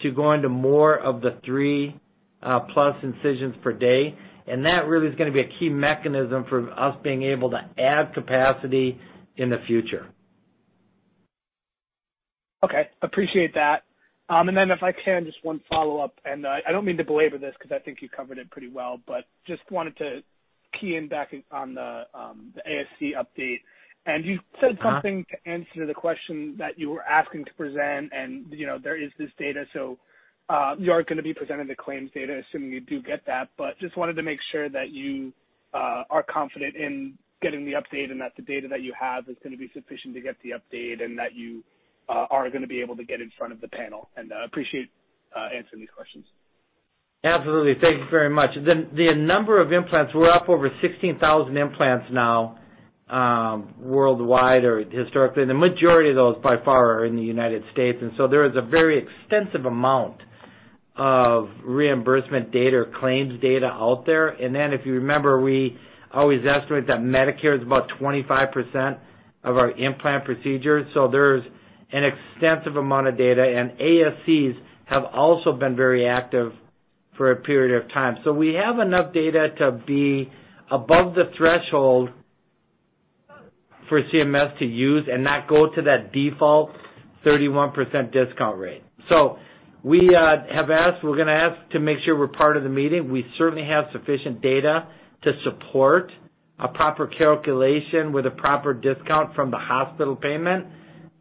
to go into more of the 3+ incisions per day. That really is going to be a key mechanism for us being able to add capacity in the future. Okay. Appreciate that. If I can, just one follow-up, I don't mean to belabor this because I think you covered it pretty well, but just wanted to key in back on the ASC update. You said something to answer the question that you were asking to present, and there is this data. You are going to be presenting the claims data, assuming you do get that. Just wanted to make sure that you are confident in getting the update and that the data that you have is going to be sufficient to get the update and that you are going to be able to get in front of the panel. I appreciate answering these questions. Absolutely. Thank you very much. The number of implants, we're up over 16,000 implants now worldwide or historically. The majority of those, by far, are in the U.S., there is a very extensive amount of reimbursement data or claims data out there. If you remember, we always estimate that Medicare is about 25% of our implant procedures, there's an extensive amount of data. ASCs have also been very active for a period of time. We have enough data to be above the threshold for CMS to use and not go to that default 31% discount rate. We're going to ask to make sure we're part of the meeting. We certainly have sufficient data to support a proper calculation with a proper discount from the hospital payment.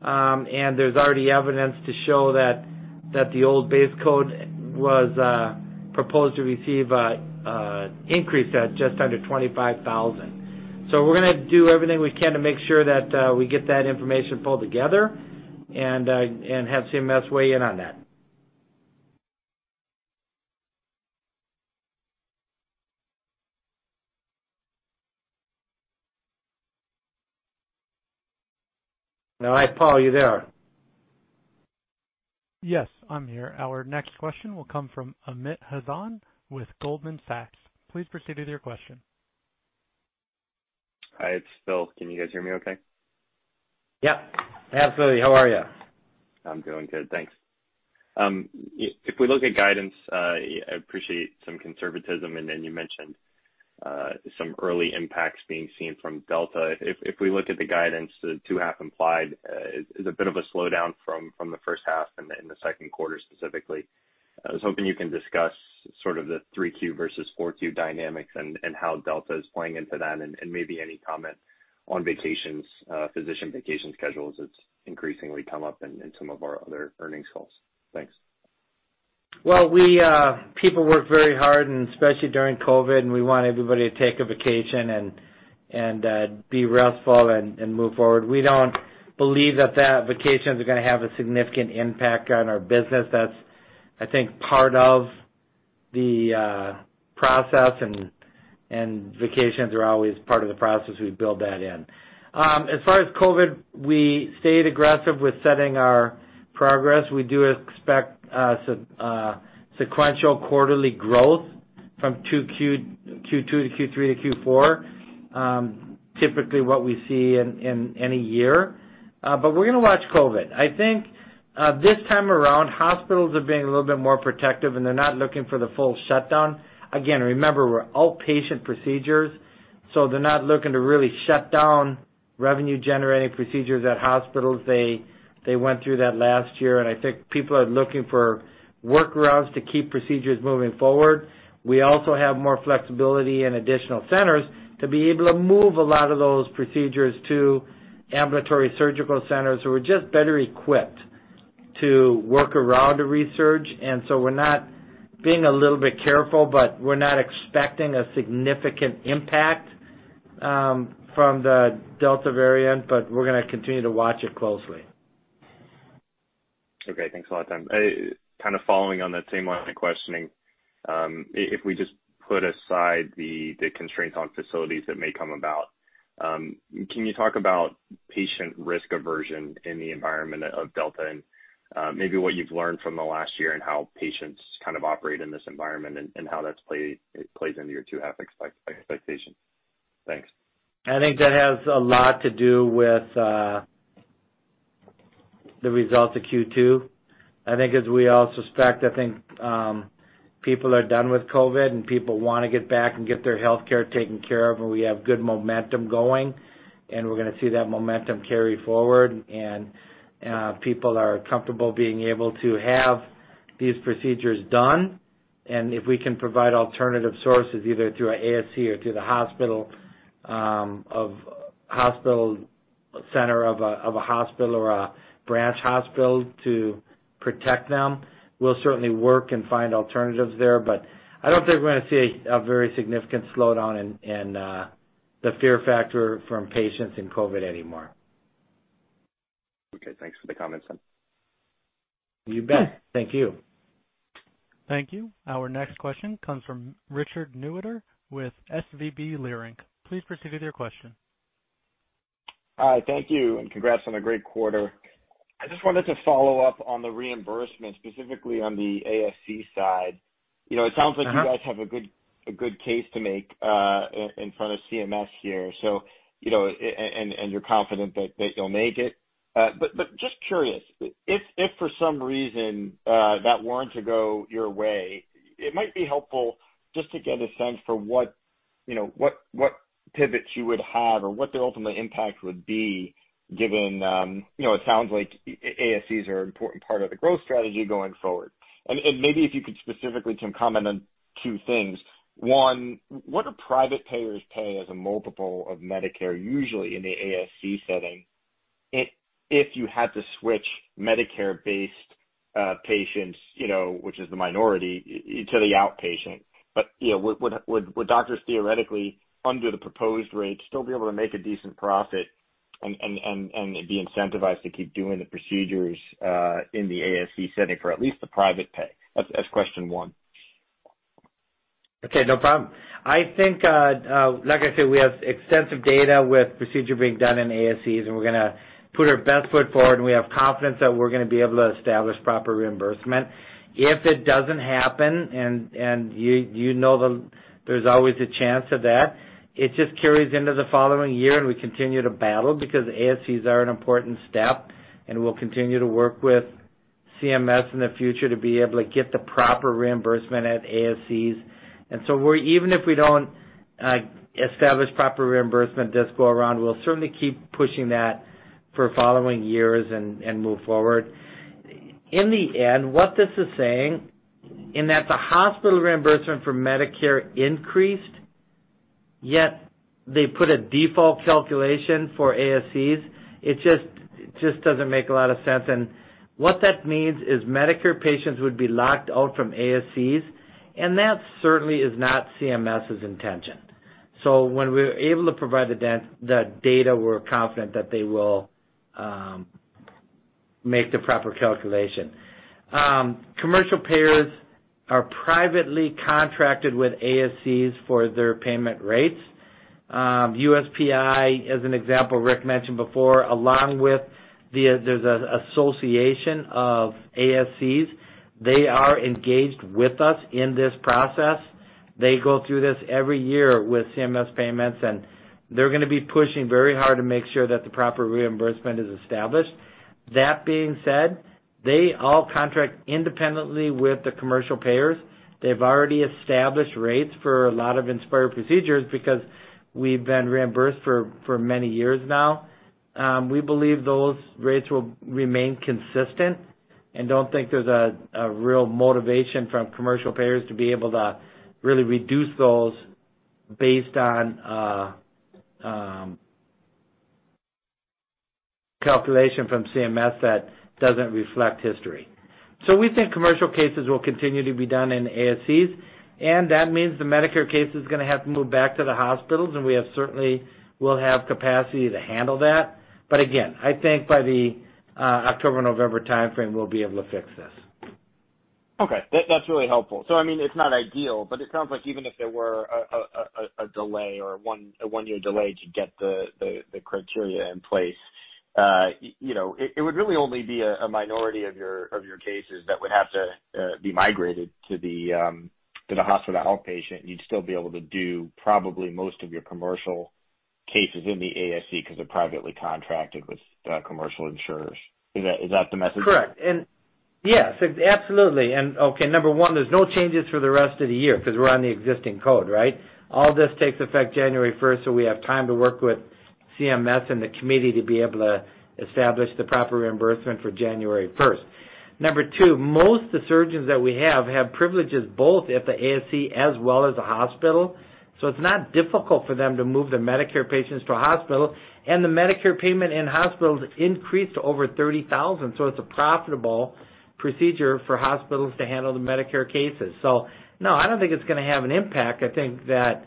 There's already evidence to show that the old base code was proposed to receive an increase at just under $25,000. We're going to do everything we can to make sure that we get that information pulled together and have CMS weigh in on that. All right, Paul, are you there? Yes, I'm here. Our next question will come from Amit Hazan with Goldman Sachs. Please proceed with your question. Hi, it's Phil. Can you guys hear me okay? Yep, absolutely. How are you? I'm doing good, thanks. If we look at guidance, I appreciate some conservatism, and then you mentioned some early impacts being seen from Delta. If we look at the guidance, the second half implied is a bit of a slowdown from the first half and in the second quarter specifically. I was hoping you can discuss sort of the 3Q versus 4Q dynamics and how Delta is playing into that, maybe any comment on physician vacation schedules. It's increasingly come up in some of our other earnings calls. Thanks. Well, people work very hard, and especially during COVID, and we want everybody to take a vacation and be restful and move forward. We don't believe that vacations are going to have a significant impact on our business. That's, I think, part of the process, and vacations are always part of the process. We build that in. As far as COVID, we stayed aggressive with setting our progress. We do expect sequential quarterly growth from Q2 to Q3 to Q4. Typically what we see in any year. We're going to watch COVID. I think this time around, hospitals are being a little bit more protective, and they're not looking for the full shutdown. Again, remember, we're outpatient procedures, so they're not looking to really shut down revenue-generating procedures at hospitals, they went through that last year, and I think people are looking for workarounds to keep procedures moving forward. We also have more flexibility in additional centers to be able to move a lot of those procedures to Ambulatory Surgery Centers who are just better equipped to work around the restrictions. We're not being a little bit careful, but we're not expecting a significant impact from the Delta variant, but we're going to continue to watch it closely. Thanks a lot of time. Kind of following on that same line of questioning, if we just put aside the constraints on facilities that may come about, can you talk about patient risk aversion in the environment of Delta and maybe what you've learned from the last year and how patients kind of operate in this environment and how that plays into your two half expectations? Thanks. I think that has a lot to do with the results of Q2. I think as we all suspect, people are done with COVID and people want to get back and get their healthcare taken care of, and we have good momentum going, and we're going to see that momentum carry forward and people are comfortable being able to have these procedures done. If we can provide alternative sources, either through an ASC or through the center of a hospital or a branch hospital to protect them, we'll certainly work and find alternatives there. I don't think we're going to see a very significant slowdown in the fear factor from patients in COVID anymore. Okay. Thanks for the comments. You bet. Thank you. Thank you. Our next question comes from Richard Newitter with SVB Leerink. Please proceed with your question. Hi. Thank you. Congrats on a great quarter. I just wanted to follow up on the reimbursement, specifically on the ASC side. You guys have a good case to make in front of CMS here, and you're confident that you'll make it. Just curious, if for some reason that weren't to go your way, it might be helpful just to get a sense for what pivots you would have or what the ultimate impact would be given it sounds like ASCs are an important part of the growth strategy going forward. Maybe if you could specifically comment on two things. One, what do private payers pay as a multiple of Medicare usually in the ASC setting if you had to switch Medicare-based patients, which is the minority, to the outpatient? Would doctors theoretically, under the proposed rates, still be able to make a decent profit and be incentivized to keep doing the procedures in the ASC setting for at least the private pay? That's question one. Okay. No problem. I think, like I said, we have extensive data with procedure being done in ASCs, we're going to put our best foot forward, and we have confidence that we're going to be able to establish proper reimbursement. If it doesn't happen, and you know there's always a chance of that, it just carries into the following year, we continue to battle because ASCs are an important step, we'll continue to work with CMS in the future to be able to get the proper reimbursement at ASCs. Even if we don't establish proper reimbursement this go around, we'll certainly keep pushing that for following years and move forward. In the end, what this is saying in that the hospital reimbursement for Medicare increased, yet they put a default calculation for ASCs, it just doesn't make a lot of sense. What that means is Medicare patients would be locked out from ASCs, and that certainly is not CMS's intention. When we're able to provide the data, we're confident that they will make the proper calculation. Commercial payers are privately contracted with ASCs for their payment rates. USPI, as an example, Rick mentioned before, along with the Association of ASCs, they are engaged with us in this process. They go through this every year with CMS payments, and they're going to be pushing very hard to make sure that the proper reimbursement is established. That being said, they all contract independently with the commercial payers. They've already established rates for a lot of Inspire procedures because we've been reimbursed for many years now. We believe those rates will remain consistent and don't think there's a real motivation from commercial payers to be able to really reduce those based on calculation from CMS that doesn't reflect history. We think commercial cases will continue to be done in ASCs, and that means the Medicare cases are going to have to move back to the hospitals, and we certainly will have capacity to handle that. Again, I think by the October-November timeframe, we'll be able to fix this. Okay. That's really helpful. I mean, it's not ideal, but it sounds like even if there were a delay or a one-year delay to get the criteria in place, it would really only be a minority of your cases that would have to be migrated to the hospital, the outpatient. You'd still be able to do probably most of your commercial cases in the ASC because they're privately contracted with commercial insurers. Is that the message? Correct. Yes, absolutely. Okay, number one, there's no changes for the rest of the year because we're on the existing code, right? All this takes effect January 1st. We have time to work with CMS and the committee to be able to establish the proper reimbursement for January 1st. Number two, most of the surgeons that we have privileges both at the ASC as well as the hospital. It's not difficult for them to move the Medicare patients to a hospital. The Medicare payment in hospitals increased to over $30,000. It's a profitable procedure for hospitals to handle the Medicare cases. No, I don't think it's going to have an impact. I think that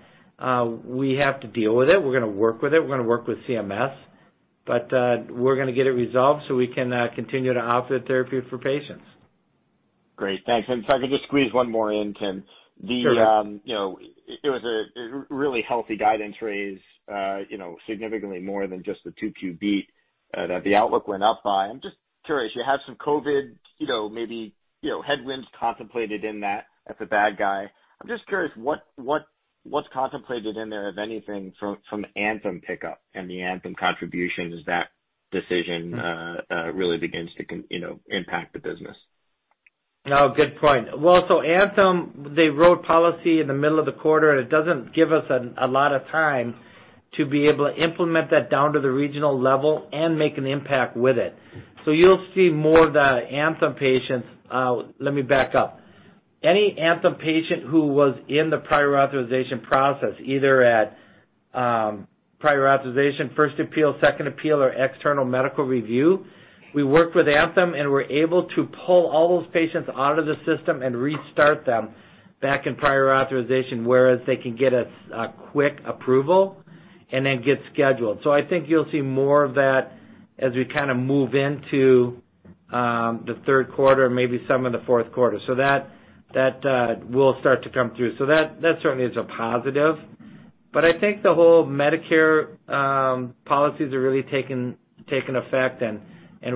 we have to deal with it. We're going to work with it. We're going to work with CMS. We're going to get it resolved so we can continue to offer the therapy for patients. Great. Thanks. If I could just squeeze one more in, Tim. Sure. It was a really healthy guidance raise, significantly more than just the 2Q beat that the outlook went up by. I'm just curious, you have some COVID, maybe headwinds contemplated in that as a bad guy. I'm just curious what's contemplated in there, if anything, from Anthem pickup and the Anthem contribution as that decision really begins to impact the business? No, good point. Anthem, they wrote policy in the middle of the quarter. It doesn't give us a lot of time to be able to implement that down to the regional level and make an impact with it. Let me back up. Any Anthem patient who was in the prior authorization process, either at prior authorization, first appeal, second appeal, or external medical review, we worked with Anthem and were able to pull all those patients out of the system and restart them back in prior authorization, whereas they can get a quick approval and then get scheduled. I think you'll see more of that as we kind of move into the third quarter, maybe some of the fourth quarter. That will start to come through. That certainly is a positive. I think the whole Medicare policies are really taking effect, and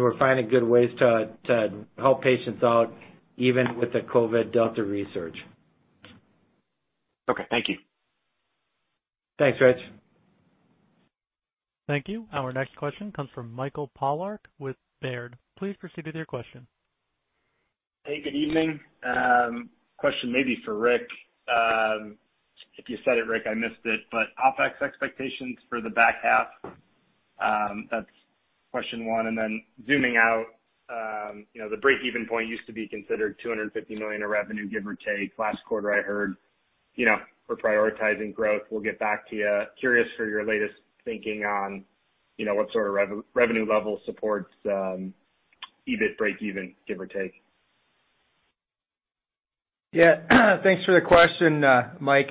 we're finding good ways to help patients out even with the COVID Delta resurge. Okay. Thank you. Thanks, Rich. Thank you. Our next question comes from Michael Polark with Baird. Please proceed with your question. Hey, good evening. Question maybe for Rick. If you said it, Rick, I missed it, but OpEx expectations for the back half. That's question one. Zooming out, the breakeven point used to be considered $250 million of revenue, give or take. Last quarter, I heard we're prioritizing growth. We'll get back to you. Curious for your latest thinking on what sort of revenue level supports, EBIT breakeven, give or take. Yeah. Thanks for the question, Mike.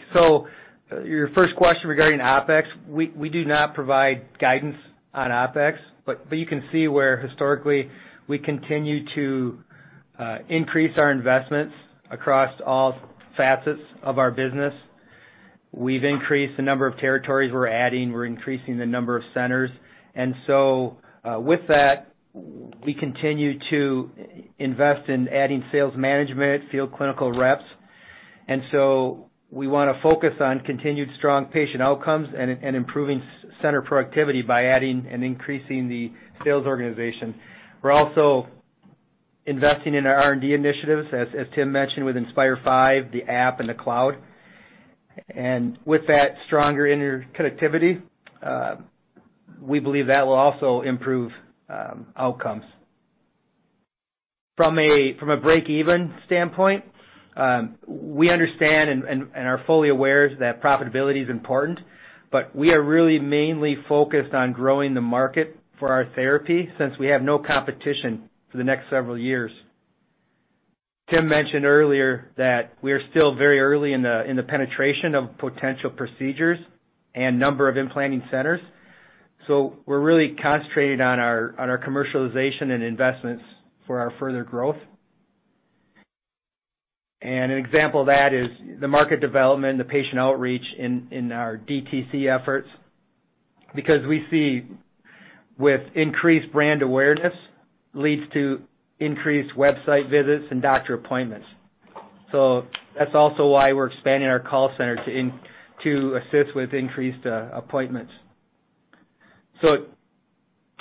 Your first question regarding OpEx, we do not provide guidance on OpEx, but you can see where historically we continue to increase our investments across all facets of our business. We've increased the number of territories we're adding. We're increasing the number of centers. With that, we continue to invest in adding sales management, field clinical reps. We want to focus on continued strong patient outcomes and improving center productivity by adding and increasing the sales organization. We're also investing in our R&D initiatives, as Tim mentioned, with Inspire 5, the app, and the cloud. With that stronger interconnectivity, we believe that will also improve outcomes. From a breakeven standpoint, we understand and are fully aware that profitability is important, but we are really mainly focused on growing the market for our therapy since we have no competition for the next several years. Tim mentioned earlier that we are still very early in the penetration of potential procedures and number of implanting centers. We're really concentrated on our commercialization and investments for our further growth. An example of that is the market development, the patient outreach in our DTC efforts. We see with increased brand awareness leads to increased website visits and doctor appointments. That's also why we're expanding our call center to assist with increased appointments.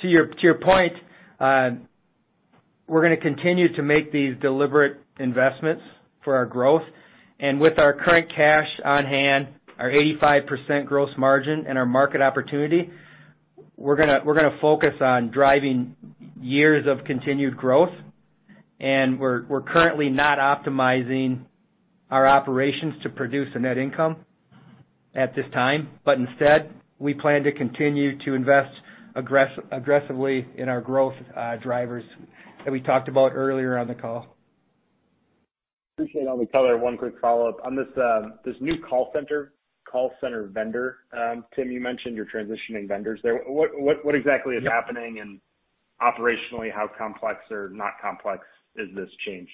To your point, we're going to continue to make these deliberate investments for our growth. With our current cash on hand, our 85% gross margin and our market opportunity, we're going to focus on driving years of continued growth, and we're currently not optimizing our operations to produce a net income at this time. Instead, we plan to continue to invest aggressively in our growth drivers that we talked about earlier on the call. Appreciate all the color. One quick follow-up. On this new call center vendor, Tim, you mentioned you're transitioning vendors there. What exactly is happening, and operationally, how complex or not complex is this change?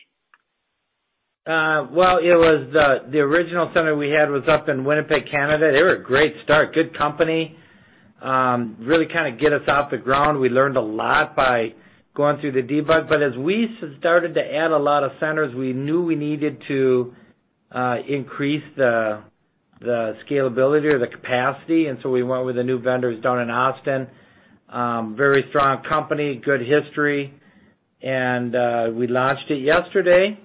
Well, the original center we had was up in Winnipeg, Canada. They were a great start, good company. Really kind of get us off the ground. We learned a lot by going through the debug. As we started to add a lot of centers, we knew we needed to increase the scalability or the capacity, and so we went with the new vendors down in Austin. Very strong company, good history. We launched it yesterday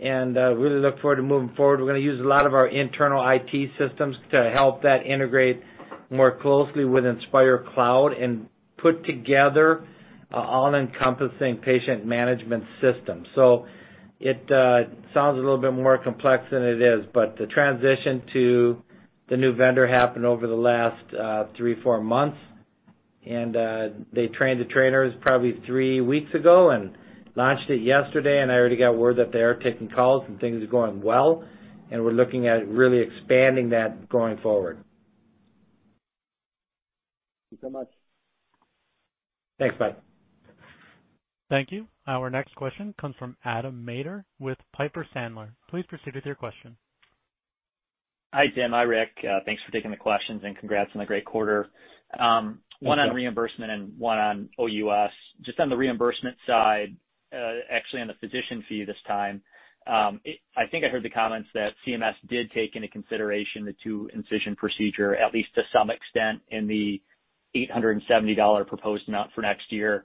and really look forward to moving forward. We're going to use a lot of our internal IT systems to help that integrate more closely with Inspire Cloud and put together an all-encompassing patient management system. It sounds a little bit more complex than it is, but the transition to the new vendor happened over the last three, four months, and they trained the trainers probably three weeks ago and launched it yesterday, and I already got word that they are taking calls and things are going well. We're looking at really expanding that going forward. Thank you so much. Thanks, bye. Thank you. Our next question comes from Adam Maeder with Piper Sandler. Please proceed with your question. Hi, Tim. Hi, Rick. Thanks for taking the questions and congrats on the great quarter. Thanks, Adam. One on reimbursement and one on OUS. Just on the reimbursement side, actually on the physician fee this time. I think I heard the comments that CMS did take into consideration the 2-incision procedure, at least to some extent, in the $870 proposed amount for next year.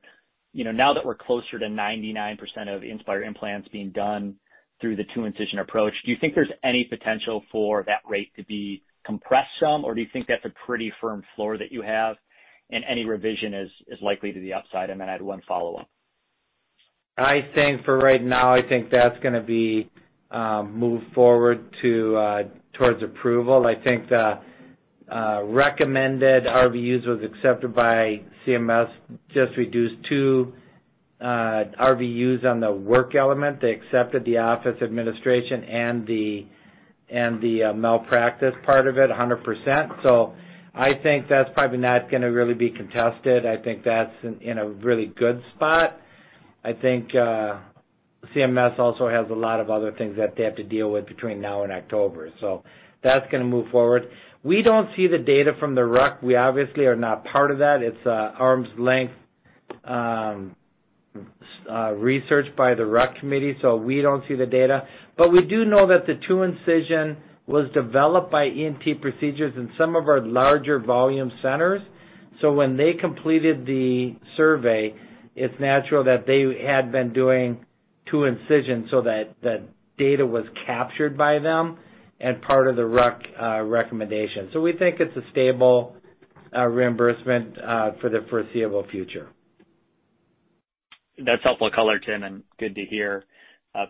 Now that we're closer to 99% of Inspire implants being done through the 2-incision approach, do you think there's any potential for that rate to be compressed some, or do you think that's a pretty firm floor that you have, and any revision is likely to the upside? I had one follow-up. I think for right now, I think that's going to be moved forward towards approval. I think the recommended RVUs was accepted by CMS, just reduced 2 RVUs on the work element. They accepted the office administration and the malpractice part of it 100%. I think that's probably not going to really be contested. I think that's in a really good spot. I think CMS also has a lot of other things that they have to deal with between now and October. That's going to move forward. We don't see the data from the RUC. We obviously are not part of that. It's arm's length research by the RUC committee, so we don't see the data. We do know that the 2-incision was developed by ENT procedures in some of our larger volume centers. When they completed the survey, it's natural that they had been doing 2-incisions, so that data was captured by them and part of the RUC recommendation. We think it's a stable reimbursement for the foreseeable future. That's helpful color, Tim, and good to hear.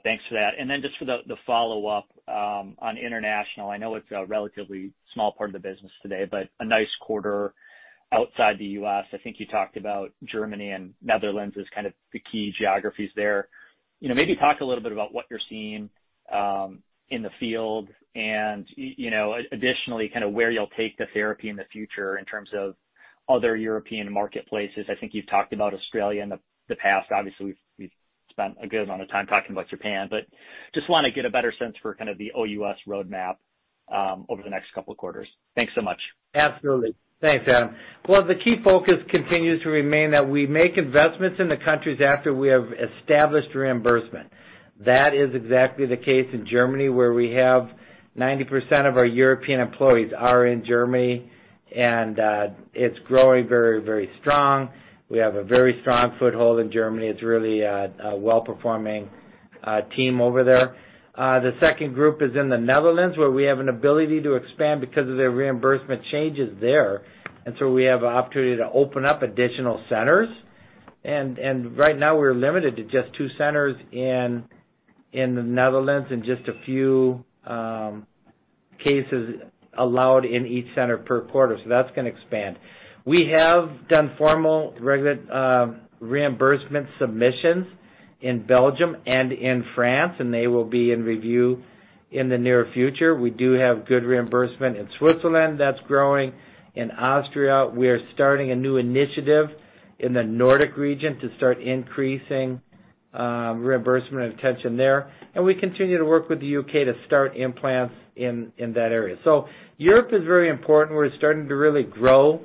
Thanks for that. Then just for the follow-up on international, I know it's a relatively small part of the business today, but a nice quarter outside the U.S. I think you talked about Germany and Netherlands as kind of the key geographies there. Maybe talk a little bit about what you're seeing in the field and additionally, kind of where you'll take the therapy in the future in terms of other European marketplaces. I think you've talked about Australia in the past. Obviously, we've spent a good amount of time talking about Japan, but just want to get a better sense for kind of the OUS roadmap over the next couple of quarters. Thanks so much. Absolutely. Thanks, Adam Maeder. Well, the key focus continues to remain that we make investments in the countries after we have established reimbursement. That is exactly the case in Germany, where we have 90% of our European employees are in Germany, and it's growing very strong. We have a very strong foothold in Germany. It's really a well-performing team over there. The second group is in the Netherlands, where we have an ability to expand because of the reimbursement changes there. So we have an opportunity to open up additional centers. Right now, we're limited to just two centers in the Netherlands and just a few cases allowed in each center per quarter. That's going to expand. We have done formal reimbursement submissions in Belgium and in France, and they will be in review in the near future. We do have good reimbursement in Switzerland that's growing. In Austria, we are starting a new initiative in the Nordic region to start increasing reimbursement and attention there. We continue to work with the U.K. to start implants in that area. Europe is very important. We're starting to really grow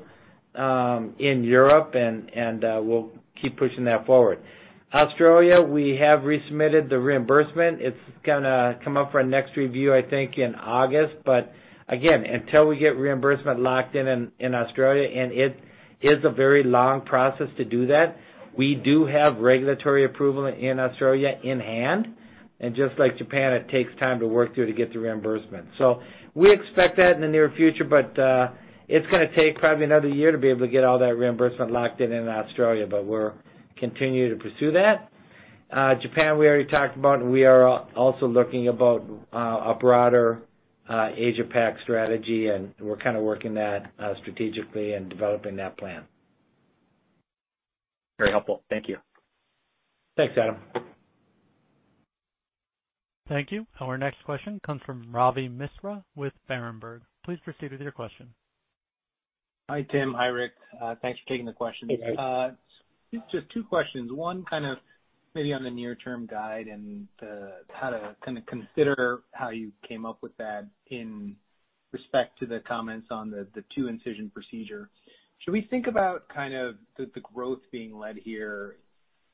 in Europe, and we'll keep pushing that forward. Australia, we have resubmitted the reimbursement. It's going to come up for a next review, I think, in August. Again, until we get reimbursement locked in in Australia, and it is a very long process to do that, we do have regulatory approval in Australia in hand. Just like Japan, it takes time to work through to get the reimbursement. We expect that in the near future, but it's going to take probably another year to be able to get all that reimbursement locked in in Australia, but we'll continue to pursue that. Japan, we already talked about. We are also looking about a broader Asia Pac strategy, and we're kind of working that strategically and developing that plan. Very helpful. Thank you. Thanks, Adam. Thank you. Our next question comes from Ravi Misra with Berenberg. Please proceed with your question. Hi, Tim. Hi, Rick. Thanks for taking the questions. Hey, Ravi. Just two questions. One kind of maybe on the near-term guide and how to kind of consider how you came up with that in respect to the comments on the 2-incision procedure. Should we think about kind of the growth being led here,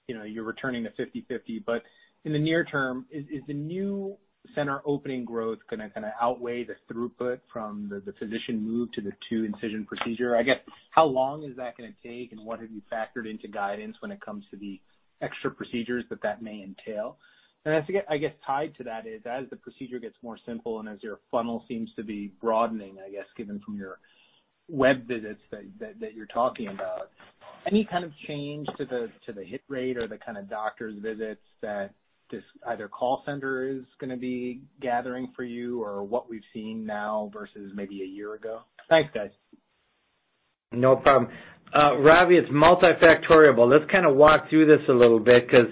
you're returning to 50/50, but in the near-term, is the new center opening growth going to outweigh the throughput from the physician move to the 2-incision procedure? I guess, how long is that going to take, and what have you factored into guidance when it comes to the extra procedures that that may entail? I guess tied to that is, as the procedure gets more simple and as your funnel seems to be broadening, I guess, given from your web visits that you're talking about, any kind of change to the hit rate or the kind of doctors visits that this either call center is going to be gathering for you or what we've seen now versus maybe a year ago? Thanks, guys. No problem, Ravi. It's multifactorial, but let's kind of walk through this a little bit because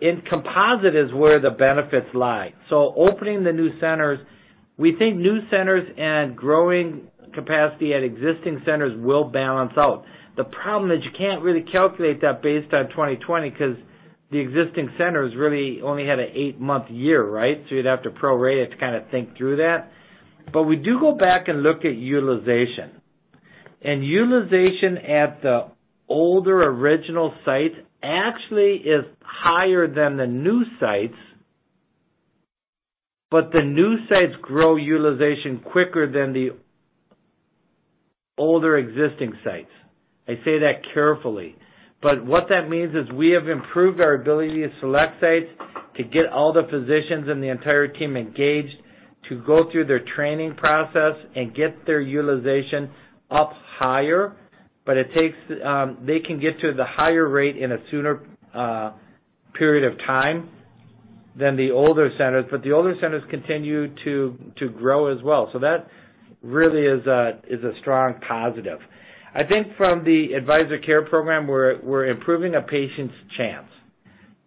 in composite is where the benefits lie. Opening the new centers, we think new centers and growing capacity at existing centers will balance out. The problem is you can't really calculate that based on 2020 because the existing centers really only had an eight-month year, right? You'd have to prorate it to kind of think through that. We do go back and look at utilization. Utilization at the older original site actually is higher than the new sites, but the new sites grow utilization quicker than the older existing sites. I say that carefully. What that means is we have improved our ability to select sites to get all the physicians and the entire team engaged to go through their training process and get their utilization up higher. They can get to the higher rate in a sooner period of time than the older centers, but the older centers continue to grow as well. That really is a strong positive. I think from the Advisor Care Program, we're improving a patient's chance.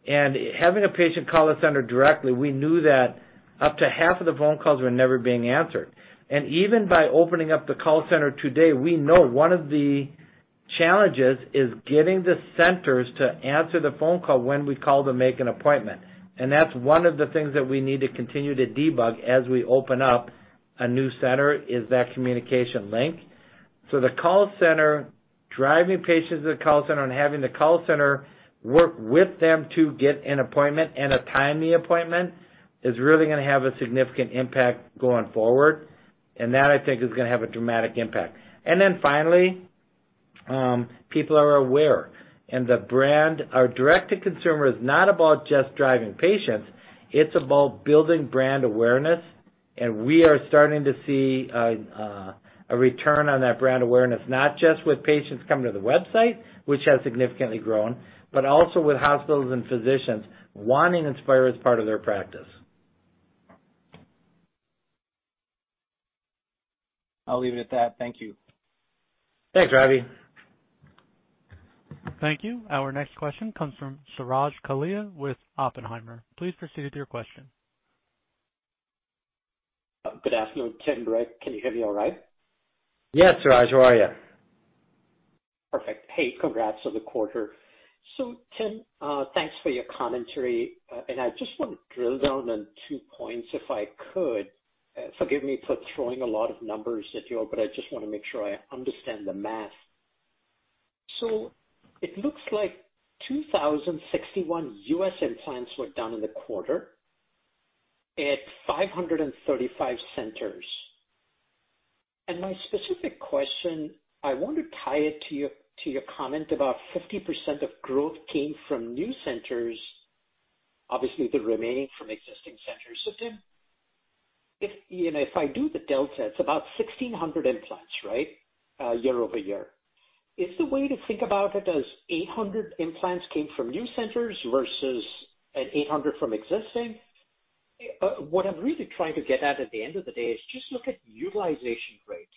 Having a patient call a center directly, we knew that up to half of the phone calls were never being answered. Even by opening up the call center today, we know one of the challenges is getting the centers to answer the phone call when we call to make an appointment. That's one of the things that we need to continue to debug as we open up a new center is that communication link. The call center, driving patients to the call center and having the call center work with them to get an appointment and a timely appointment is really going to have a significant impact going forward, and that I think is going to have a dramatic impact. Finally, people are aware, and our direct to consumer is not about just driving patients. It's about building brand awareness, and we are starting to see a return on that brand awareness, not just with patients coming to the website, which has significantly grown, but also with hospitals and physicians wanting Inspire as part of their practice. I'll leave it at that. Thank you. Thanks, Ravi. Thank you. Our next question comes from Suraj Kalia with Oppenheimer. Please proceed with your question. Good afternoon, Tim, Rick. Can you hear me all right? Yes, Suraj, how are you? Perfect. Hey, congrats on the quarter. Tim, thanks for your commentary. I just want to drill down on two points if I could. Forgive me for throwing a lot of numbers at you all, I just want to make sure I understand the math. It looks like 2,061 U.S. implants were done in the quarter at 535 centers. My specific question, I want to tie it to your comment about 50% of growth came from new centers, obviously the remaining from existing centers. Tim, if I do the delta, it's about 1,600 implants, right? Year-over-year. Is the way to think about it as 800 implants came from new centers versus an 800 from existing? What I'm really trying to get at at the end of the day is just look at utilization rate.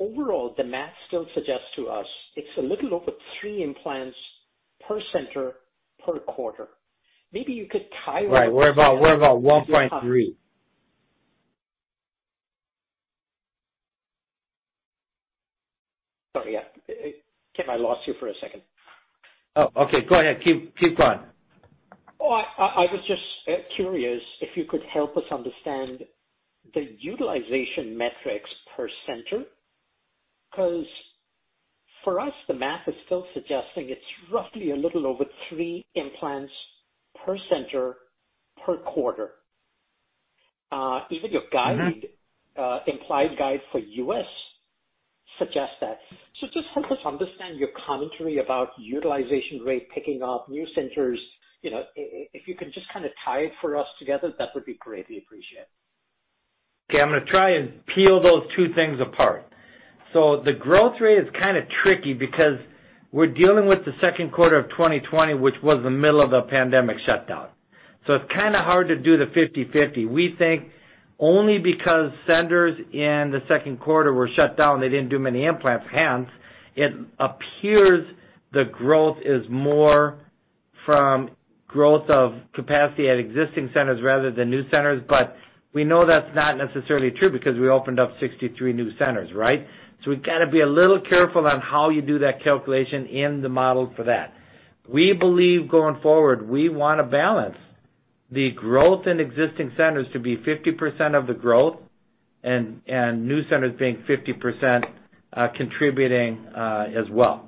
Overall, the math still suggests to us it's a little over three implants per center per quarter. Right. We're about 1.3. Sorry, yeah. Tim, I lost you for a second. Oh, okay, go ahead. Keep going. I was just curious if you could help us understand the utilization metrics per center. For us, the math is still suggesting it's roughly a little over three implants per center per quarter. Even your implied guide for U.S. suggests that. Just help us understand your commentary about utilization rate picking up new centers. If you could just kind of tie it for us together, that would be greatly appreciated. Okay. I'm going to try and peel those two things apart. The growth rate is kind of tricky because we're dealing with the second quarter of 2020, which was the middle of a pandemic shutdown. It's kind of hard to do the 50/50. We think only because centers in the second quarter were shut down, they didn't do many implants, hence, it appears the growth is more from growth of capacity at existing centers rather than new centers. We know that's not necessarily true because we opened up 63 new centers, right? We've got to be a little careful on how you do that calculation in the model for that. We believe going forward, we want to balance the growth in existing centers to be 50% of the growth and new centers being 50% contributing as well.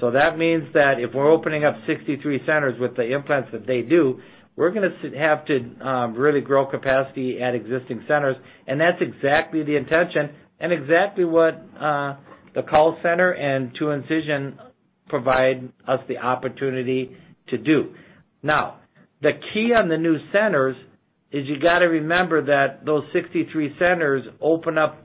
That means that if we're opening up 63 centers with the implants that they do, we're going to have to really grow capacity at existing centers, and that's exactly the intention and exactly what the call center and 2-incision provide us the opportunity to do. The key on the new centers is you got to remember that those 63 centers open up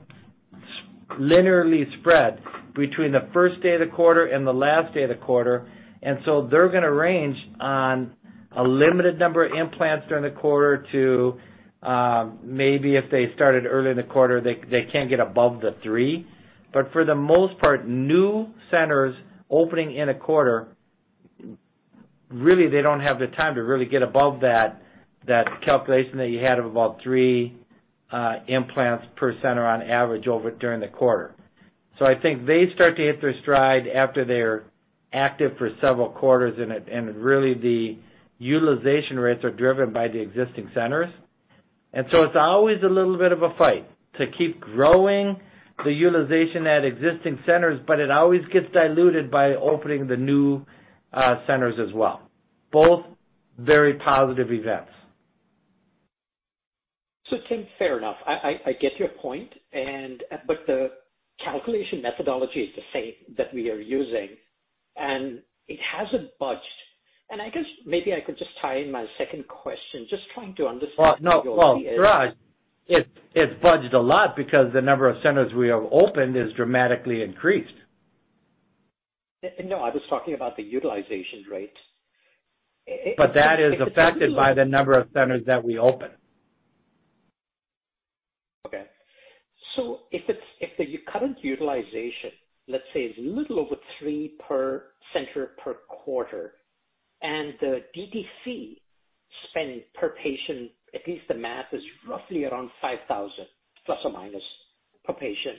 linearly spread between the first day of the quarter and the last day of the quarter. They're going to range on a limited number of implants during the quarter to maybe if they started early in the quarter, they can't get above the three. For the most part, new centers opening in a quarter, really, they don't have the time to really get above that calculation that you had of about three implants per center on average during the quarter. I think they start to hit their stride after they're active for several quarters and really the utilization rates are driven by the existing centers. It's always a little bit of a fight to keep growing the utilization at existing centers, but it always gets diluted by opening the new centers as well. Both very positive events. Tim, fair enough. I get your point. The calculation methodology is the same that we are using, and it hasn't budged. I guess maybe I could just tie in my second question, just trying to understand. Well, no. Well, Suraj, it's budged a lot because the number of centers we have opened is dramatically increased. No, I was talking about the utilization rates. That is affected by the number of centers that we open. Okay. If the current utilization, let's say, is a little over three per center per quarter, and the DTC spend per patient, at least the math, is roughly around $5,000 ± per patient,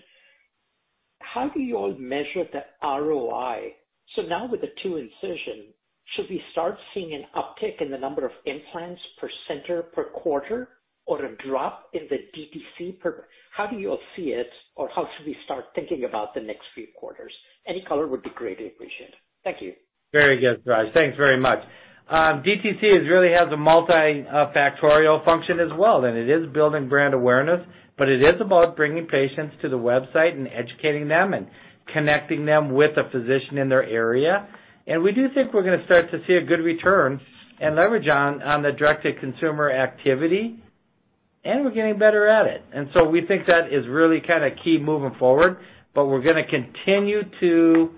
how do you all measure the ROI? Now with the 2-incision, should we start seeing an uptick in the number of implants per center per quarter or a drop in the DTC? How do you all see it, or how should we start thinking about the next three quarters? Any color would be greatly appreciated. Thank you. Very good, Suraj. Thanks very much. DTC really has a multi-factorial function as well. It is building brand awareness, but it is about bringing patients to the website and educating them and connecting them with a physician in their area. We do think we're going to start to see a good return and leverage on the direct-to-consumer activity, and we're getting better at it. We think that is really kind of key moving forward. We're going to continue to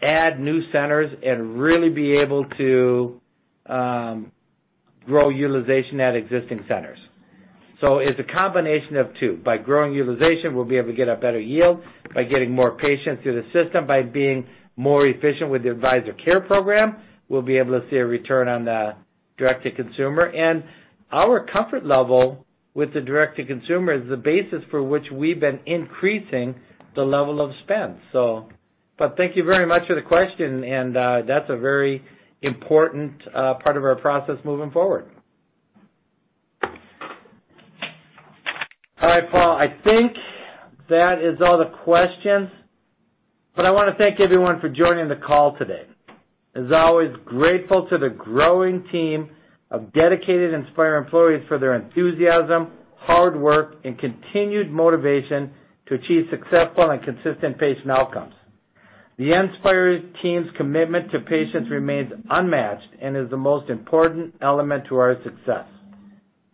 add new centers and really be able to grow utilization at existing centers. It's a combination of two. By growing utilization, we'll be able to get a better yield. By getting more patients through the system, by being more efficient with the Advisor Care Program, we'll be able to see a return on the direct to consumer. Our comfort level with the direct to consumer is the basis for which we've been increasing the level of spend. Thank you very much for the question, and that's a very important part of our process moving forward. All right, Paul, I think that is all the questions. I want to thank everyone for joining the call today. As always, grateful to the growing team of dedicated Inspire employees for their enthusiasm, hard work, and continued motivation to achieve successful and consistent patient outcomes. The Inspire team's commitment to patients remains unmatched and is the most important element to our success.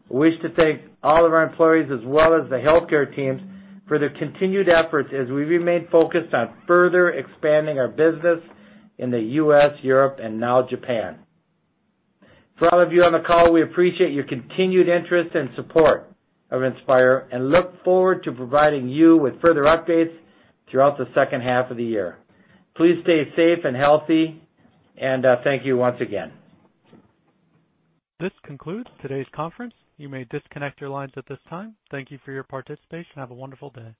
We wish to thank all of our employees as well as the healthcare teams for their continued efforts as we remain focused on further expanding our business in the U.S., Europe, and now Japan. For all of you on the call, we appreciate your continued interest and support of Inspire and look forward to providing you with further updates throughout the second half of the year. Please stay safe and healthy, and thank you once again. This concludes today's conference. You may disconnect your lines at this time. Thank you for your participation. Have a wonderful day.